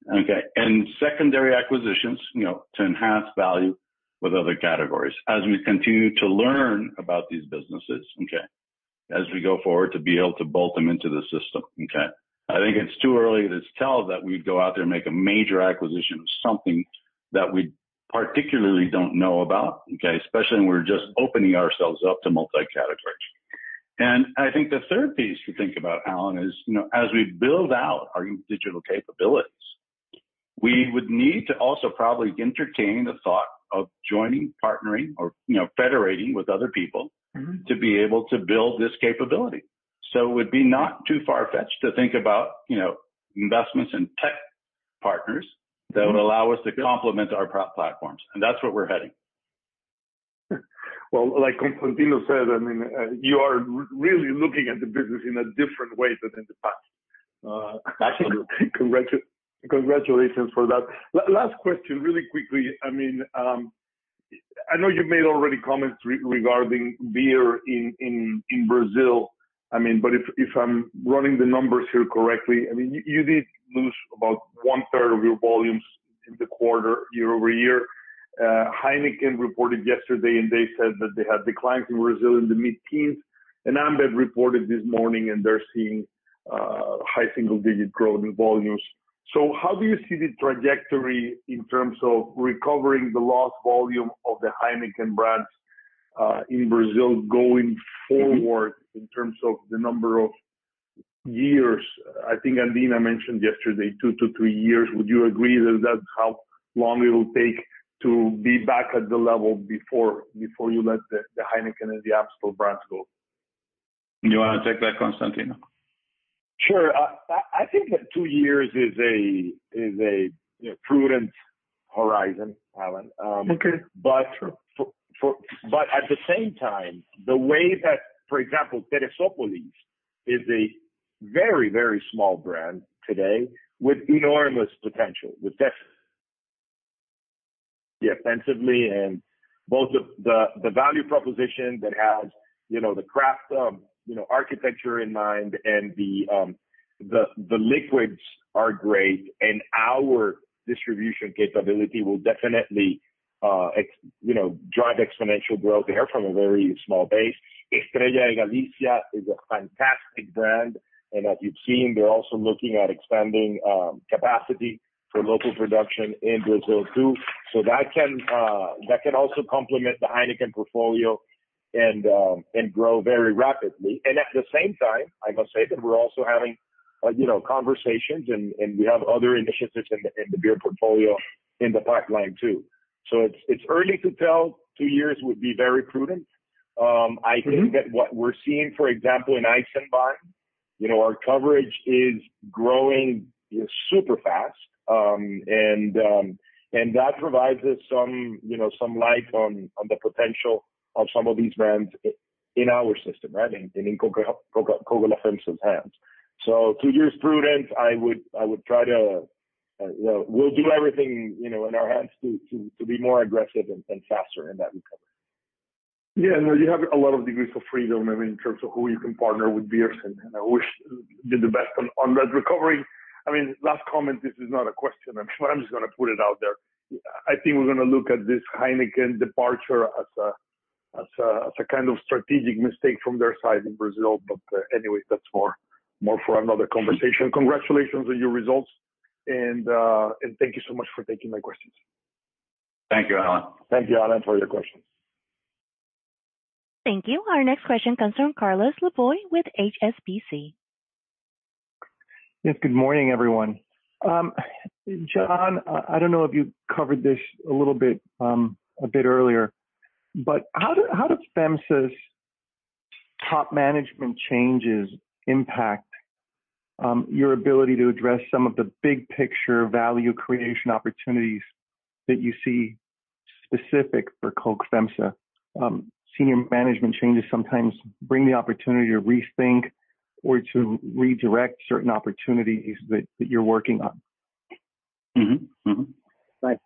Okay, and secondary acquisitions, you know, to enhance value with other categories as we continue to learn about these businesses, okay, as we go forward, to be able to bolt them into the system, okay. I think it's too early to tell that we'd go out there and make a major acquisition of something that we particularly don't know about, okay? Especially when we're just opening ourselves up to multi-category. And I think the third piece to think about, Alan, is, you know, as we build out our digital capabilities, we would need to also probably entertain the thought of joining, partnering, or, you know, federating with other people- Mm-hmm. to be able to build this capability. So it would be not too far-fetched to think about, you know, investments in tech partners that would allow us to complement our pro- platforms, and that's where we're heading. Like Constantino said, I mean, you are really looking at the business in a different way than in the past. Congratulations for that. Last question, really quickly. I mean, I know you've made already comments regarding beer in Brazil. I mean, but if I'm running the numbers here correctly, I mean, you did lose about one third of your volumes in the quarter, year over year. Heineken reported yesterday, and they said that they had declines in Brazil in the mid-teens, and Ambev reported this morning, and they're seeing high single-digit growth in volumes. So how do you see the trajectory in terms of recovering the lost volume of the Heineken brands in Brazil going forward in terms of the number of years? I think Andina mentioned yesterday, two to three years. Would you agree that that's how long it will take to be back at the level before you let the Heineken and the Amstel brands go? You wanna take that, Constantino? Sure. I think that two years is a, you know, prudent horizon, Alan. Okay. But at the same time, the way that, for example, Therezópolis is a very, very small brand today with enormous potential. With definitely offensively and both the value proposition that has, you know, the craft, you know, architecture in mind and the liquids are great, and our distribution capability will definitely, you know, drive exponential growth there from a very small base. Estrella Galicia is a fantastic brand, and as you've seen, we're also looking at expanding capacity for local production in Brazil, too. So that can also complement the Heineken portfolio and grow very rapidly. And at the same time, I must say that we're also having, you know, conversations and we have other initiatives in the beer portfolio in the pipeline, too. So it's early to tell. Two years would be very prudent. I think that what we're seeing, for example, in Eisenbahn, you know, our coverage is growing super fast, and that provides us some, you know, some light on the potential of some of these brands in our system, right, and in Coca-Cola FEMSA's hands. So two years prudent, I would try to, you know, we'll do everything, you know, in our hands to be more aggressive and faster in that recovery. Yeah, no, you have a lot of degrees of freedom, I mean, in terms of who you can partner with beers, and I wish you the best on that recovery. I mean, last comment, this is not a question. I'm just gonna put it out there. I think we're gonna look at this Heineken departure as a kind of strategic mistake from their side in Brazil. But anyway, that's more for another conversation. Congratulations on your results, and thank you so much for taking my questions. Thank you, Alan. Thank you, Alan, for your questions. Thank you. Our next question comes from Carlos Laboy with HSBC. Yes, good morning, everyone. John, I don't know if you covered this a little bit, a bit earlier, but how do FEMSA's top management changes impact your ability to address some of the big picture value creation opportunities that you see specific for Coke FEMSA? Senior management changes sometimes bring the opportunity to rethink or to redirect certain opportunities that you're working on. Mm-hmm. Mm-hmm. Thanks.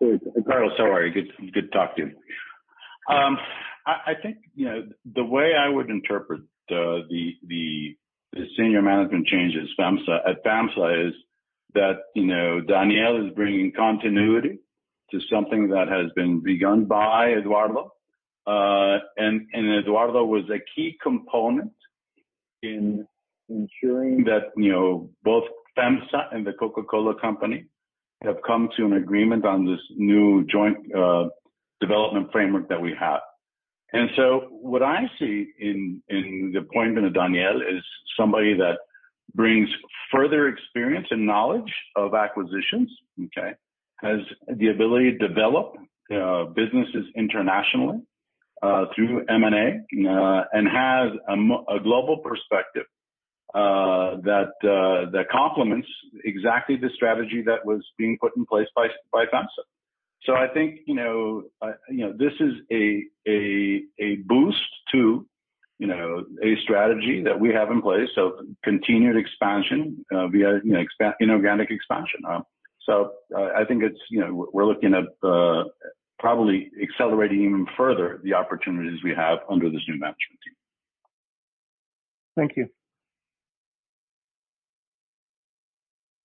Carlos, sorry. Good, good to talk to you. I think, you know, the way I would interpret the senior management changes at FEMSA is that, you know, Daniel is bringing continuity to something that has been begun by Eduardo. And Eduardo was a key component in ensuring that, you know, both FEMSA and the Coca-Cola Company have come to an agreement on this new joint development framework that we have. And so what I see in the appointment of Daniel is somebody that brings further experience and knowledge of acquisitions, okay? Has the ability to develop businesses internationally through M&A and has a global perspective that complements exactly the strategy that was being put in place by FEMSA. So, I think, you know, you know, this is a boost to, you know, a strategy that we have in place. So, continued expansion via, you know, inorganic expansion. So, I think it's, you know, we're looking at probably accelerating even further the opportunities we have under this new management team. Thank you.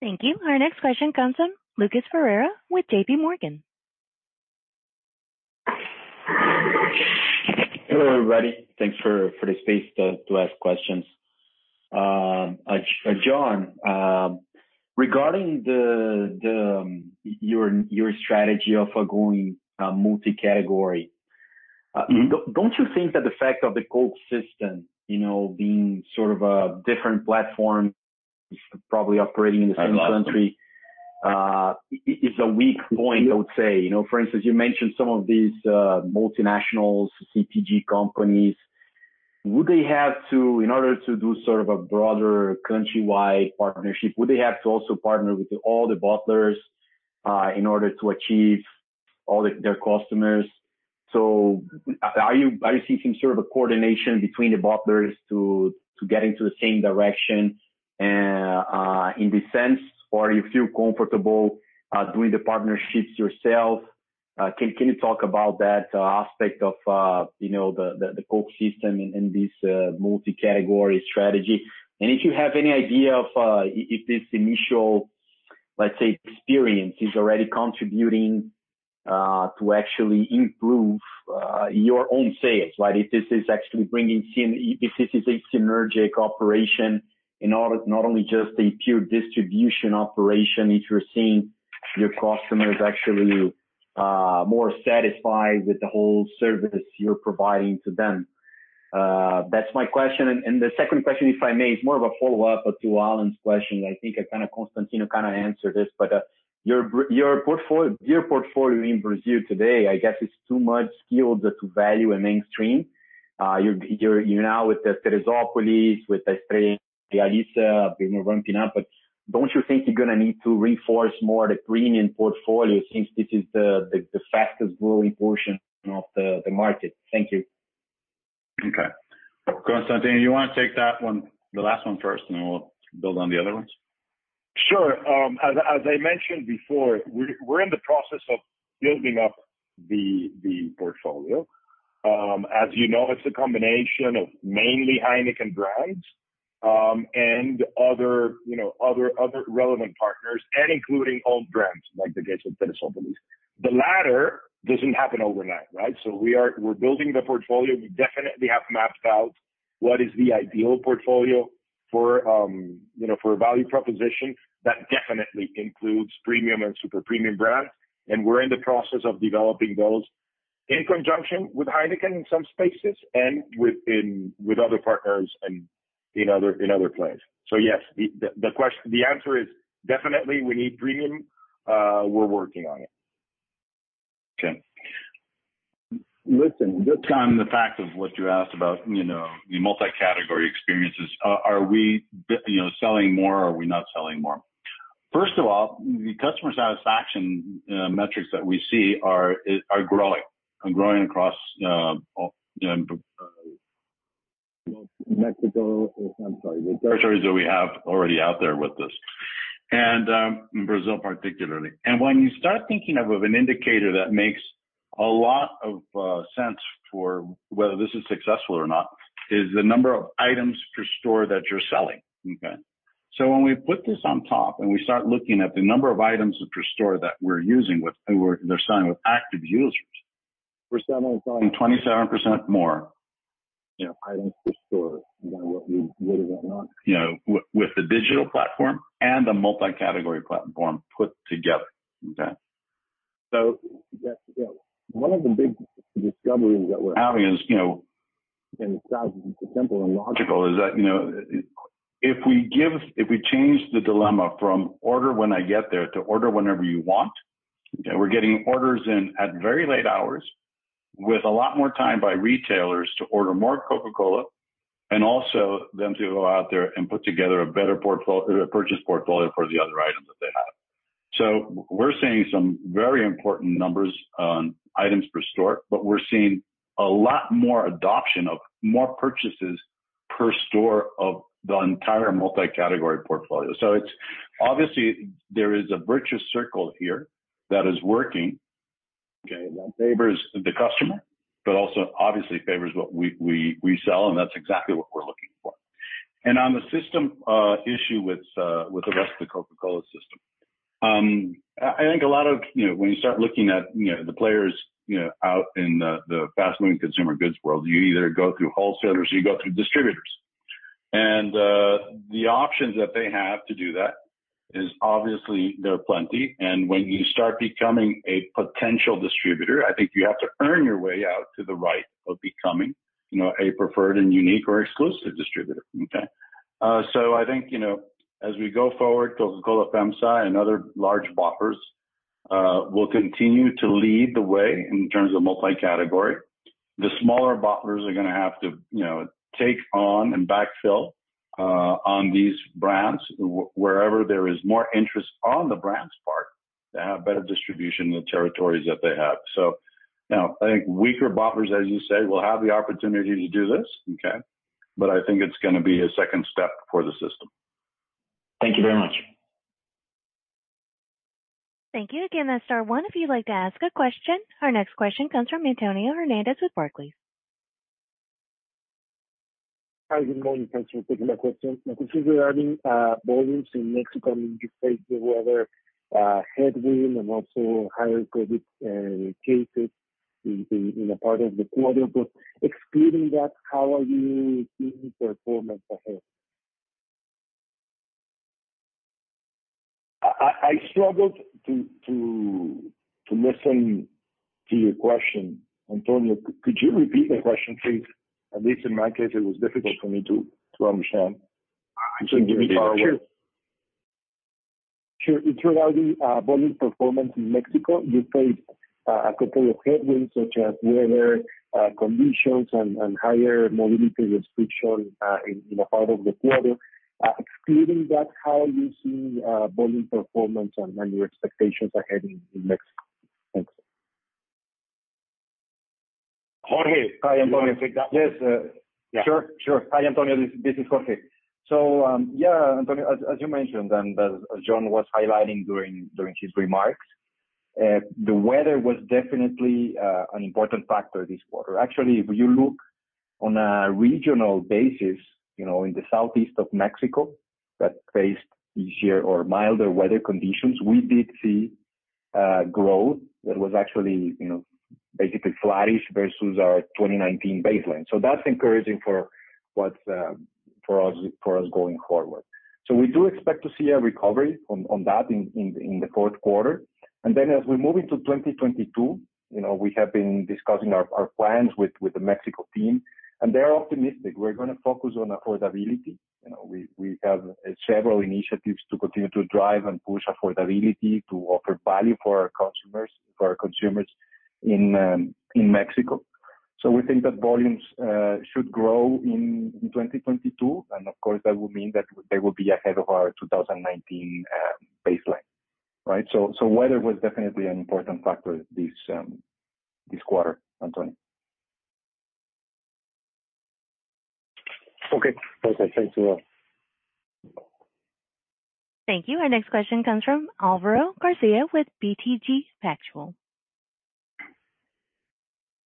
Thank you. Our next question comes from Lucas Ferreira with JP Morgan. Hello, everybody. Thanks for the space to ask questions. John, regarding your strategy of going multi-category. Mm-hmm. Don't you think that the fact of the Coke system, you know, being sort of a different platform, probably operating in the same country, is a weak point, I would say? You know, for instance, you mentioned some of these multinationals, CPG companies. Would they have to in order to do sort of a broader countrywide partnership, would they have to also partner with all the bottlers in order to achieve all the their customers? So are you seeing some sort of a coordination between the bottlers to get into the same direction in this sense, or you feel comfortable doing the partnerships yourself? Can you talk about that aspect of, you know, the Coke system in this multi-category strategy? And if you have any idea of if this initial, let's say, experience is already contributing to actually improve your own sales, right? If this is actually a synergic operation in order not only just a pure distribution operation, if you're seeing your customers actually more satisfied with the whole service you're providing to them. That's my question. And the second question, if I may, is more of a follow-up to Alan's question. I think Constantino kind of answered this, but your portfolio in Brazil today, I guess, is too much skewed to value and mainstream. You're now with the Therezópolis, with the Estrella, the Amstel, but don't you think you're gonna need to reinforce more the premium portfolio since this is the fastest growing portion of the market? Thank you. Okay. Constantino, you want to take that one, the last one first, and then we'll build on the other ones? Sure. As I mentioned before, we're in the process of building up the portfolio. As you know, it's a combination of mainly Heineken brands, and other, you know, other relevant partners, and including own brands like the case with Therezópolis. The latter doesn't happen overnight, right? So we're building the portfolio. We definitely have mapped out what is the ideal portfolio for, you know, for a value proposition that definitely includes premium and super-premium brands. And we're in the process of developing those in conjunction with Heineken in some spaces and with other partners and in other places. Yes, the question - the answer is definitely we need premium. We're working on it. Okay. Listen, just on the fact of what you asked about, you know, the multi-category experiences, are we, you know, selling more or are we not selling more? First of all, the customer satisfaction metrics that we see are growing, and growing across Mexico. I'm sorry, the territories that we have already out there with this, and in Brazil, particularly. And when you start thinking of an indicator that makes a lot of sense for whether this is successful or not, is the number of items per store that you're selling, okay? So when we put this on top, and we start looking at the number of items per store that we're using with, they're selling with active users, we're selling 27% more, you know, items per store than what we would have went on, you know, with the digital platform and the multi-category platform put together, okay? So one of the big discoveries that we're having is, you know, and it sounds simple and logical, is that, you know, if we give-- if we change the dilemma from order when I get there to order whenever you want, okay, we're getting orders in at very late hours, with a lot more time by retailers to order more Coca-Cola, and also them to go out there and put together a better portfolio for the other items that they have. We're seeing some very important numbers on items per store, but we're seeing a lot more adoption of more purchases per store of the entire multi-category portfolio. It's obviously there is a virtuous circle here that is working, okay, that favors the customer, but also obviously favors what we sell, and that's exactly what we're looking for. On the system issue with the rest of the Coca-Cola system, I think a lot of... you know, when you start looking at you know, the players you know, out in the fast-moving consumer goods world, you either go through wholesalers or you go through distributors.... The options that they have to do that is obviously, there are plenty, and when you start becoming a potential distributor, I think you have to earn your way out to the right of becoming, you know, a preferred and unique or exclusive distributor. Okay? So I think, you know, as we go forward, Coca-Cola FEMSA and other large bottlers will continue to lead the way in terms of multi-category. The smaller bottlers are gonna have to, you know, take on and backfill on these brands, wherever there is more interest on the brand's part, to have better distribution in the territories that they have. So, you know, I think weaker bottlers, as you say, will have the opportunity to do this, okay? But I think it's gonna be a second step for the system. Thank you very much. Thank you. Again, that's star one if you'd like to ask a question. Our next question comes from Antonio Hernandez with Barclays. Hi, good morning. Thanks for taking my question. My question regarding volumes in Mexico: you faced the weather headwind and also higher COVID cases in a part of the quarter. But excluding that, how are you seeing performance ahead? I struggled to listen to your question, Antonio. Could you repeat the question, please? At least in my case, it was difficult for me to understand. Could you repeat it? Sure. It's regarding volume performance in Mexico. You faced a couple of headwinds, such as weather conditions and higher mobility restriction in the heart of the quarter. Excluding that, how you see volume performance and your expectations ahead in Mexico? Thanks. Jorge. Hi, Antonio. Yes, uh- Sure, sure. Hi, Antonio, this is Jorge. So, yeah, Antonio, as you mentioned, and as John was highlighting during his remarks, the weather was definitely an important factor this quarter. Actually, if you look on a regional basis, you know, in the southeast of Mexico that faced easier or milder weather conditions, we did see growth that was actually, you know, basically flattish versus our twenty nineteen baseline. So that's encouraging for us going forward. So we do expect to see a recovery on that in the fourth quarter. And then as we move into twenty twenty-two, you know, we have been discussing our plans with the Mexico team, and they're optimistic. We're gonna focus on affordability. You know, we have several initiatives to continue to drive and push affordability to offer value for our customers—for our consumers in Mexico. So we think that volumes should grow in 2022, and of course, that will mean that they will be ahead of our 2019 baseline, right? So weather was definitely an important factor this quarter, Antonio. Okay. Okay, thanks a lot. Thank you. Our next question comes from Álvaro García with BTG Pactual.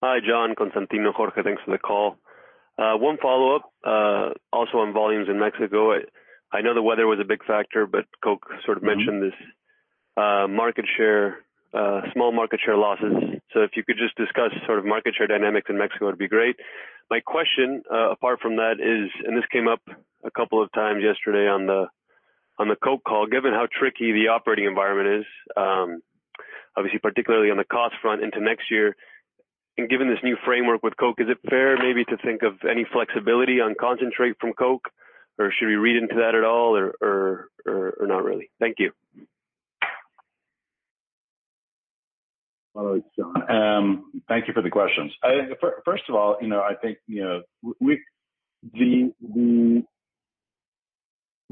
Hi, John, Constantino, Jorge, thanks for the call. One follow-up, also on volumes in Mexico. I know the weather was a big factor, but Coke sort of mentioned this small market share losses. So if you could just discuss sort of market share dynamics in Mexico, it'd be great. My question, apart from that is, and this came up a couple of times yesterday on the Coke call. Given how tricky the operating environment is, obviously, particularly on the cost front into next year, and given this new framework with Coke, is it fair maybe to think of any flexibility on concentrate from Coke? Or should we read into that at all, or not really? Thank you. Thank you for the questions. I think first of all, you know, I think, you know, we have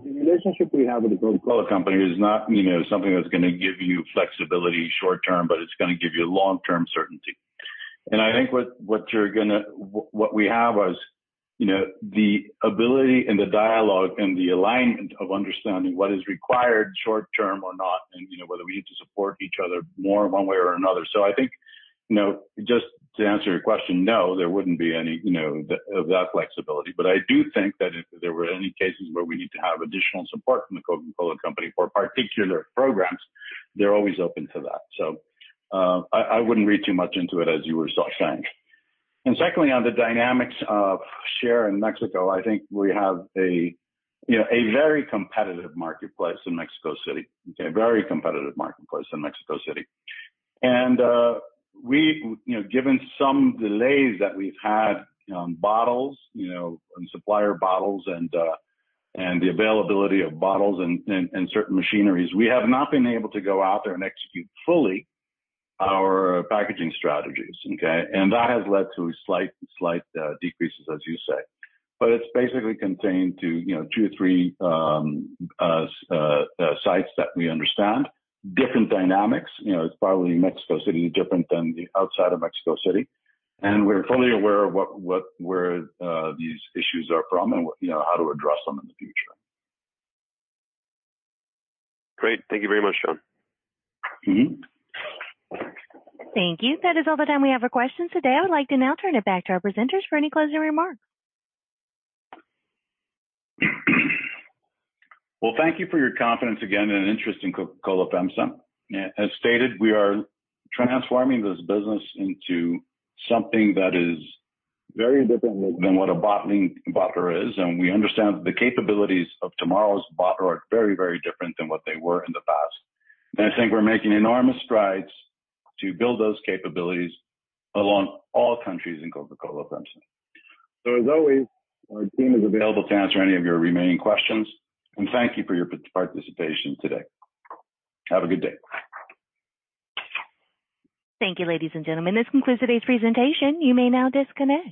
the relationship we have with the Coca-Cola Company is not, you know, something that's gonna give you flexibility short term, but it's gonna give you long-term certainty. And I think what you're gonna have is, you know, the ability and the dialogue and the alignment of understanding what is required, short term or not, and, you know, whether we need to support each other more in one way or another. So I think, you know, just to answer your question, no, there wouldn't be any of that flexibility. But I do think that if there were any cases where we need to have additional support from the Coca-Cola Company for particular programs, they're always open to that. So, I wouldn't read too much into it as you were saying. And secondly, on the dynamics of share in Mexico, I think we have you know, a very competitive marketplace in Mexico City, okay? A very competitive marketplace in Mexico City. And we, you know, given some delays that we've had, bottles, you know, and supplier bottles and the availability of bottles and certain machineries, we have not been able to go out there and execute fully our packaging strategies, okay? And that has led to slight decreases, as you say. But it's basically contained to, you know, two or three sites that we understand. Different dynamics, you know, it's probably Mexico City is different than the outside of Mexico City, and we're fully aware of what, where these issues are from and, you know, how to address them in the future. Great. Thank you very much, John. Mm-hmm. Thank you. That is all the time we have for questions today. I would like to now turn it back to our presenters for any closing remarks. Thank you for your confidence again, and interest in Coca-Cola FEMSA. As stated, we are transforming this business into something that is very different than what a bottler is, and we understand the capabilities of tomorrow's bottler are very, very different than what they were in the past. I think we're making enormous strides to build those capabilities along all countries in Coca-Cola FEMSA. As always, our team is available to answer any of your remaining questions, and thank you for your participation today. Have a good day. Thank you, ladies and gentlemen. This concludes today's presentation. You may now disconnect.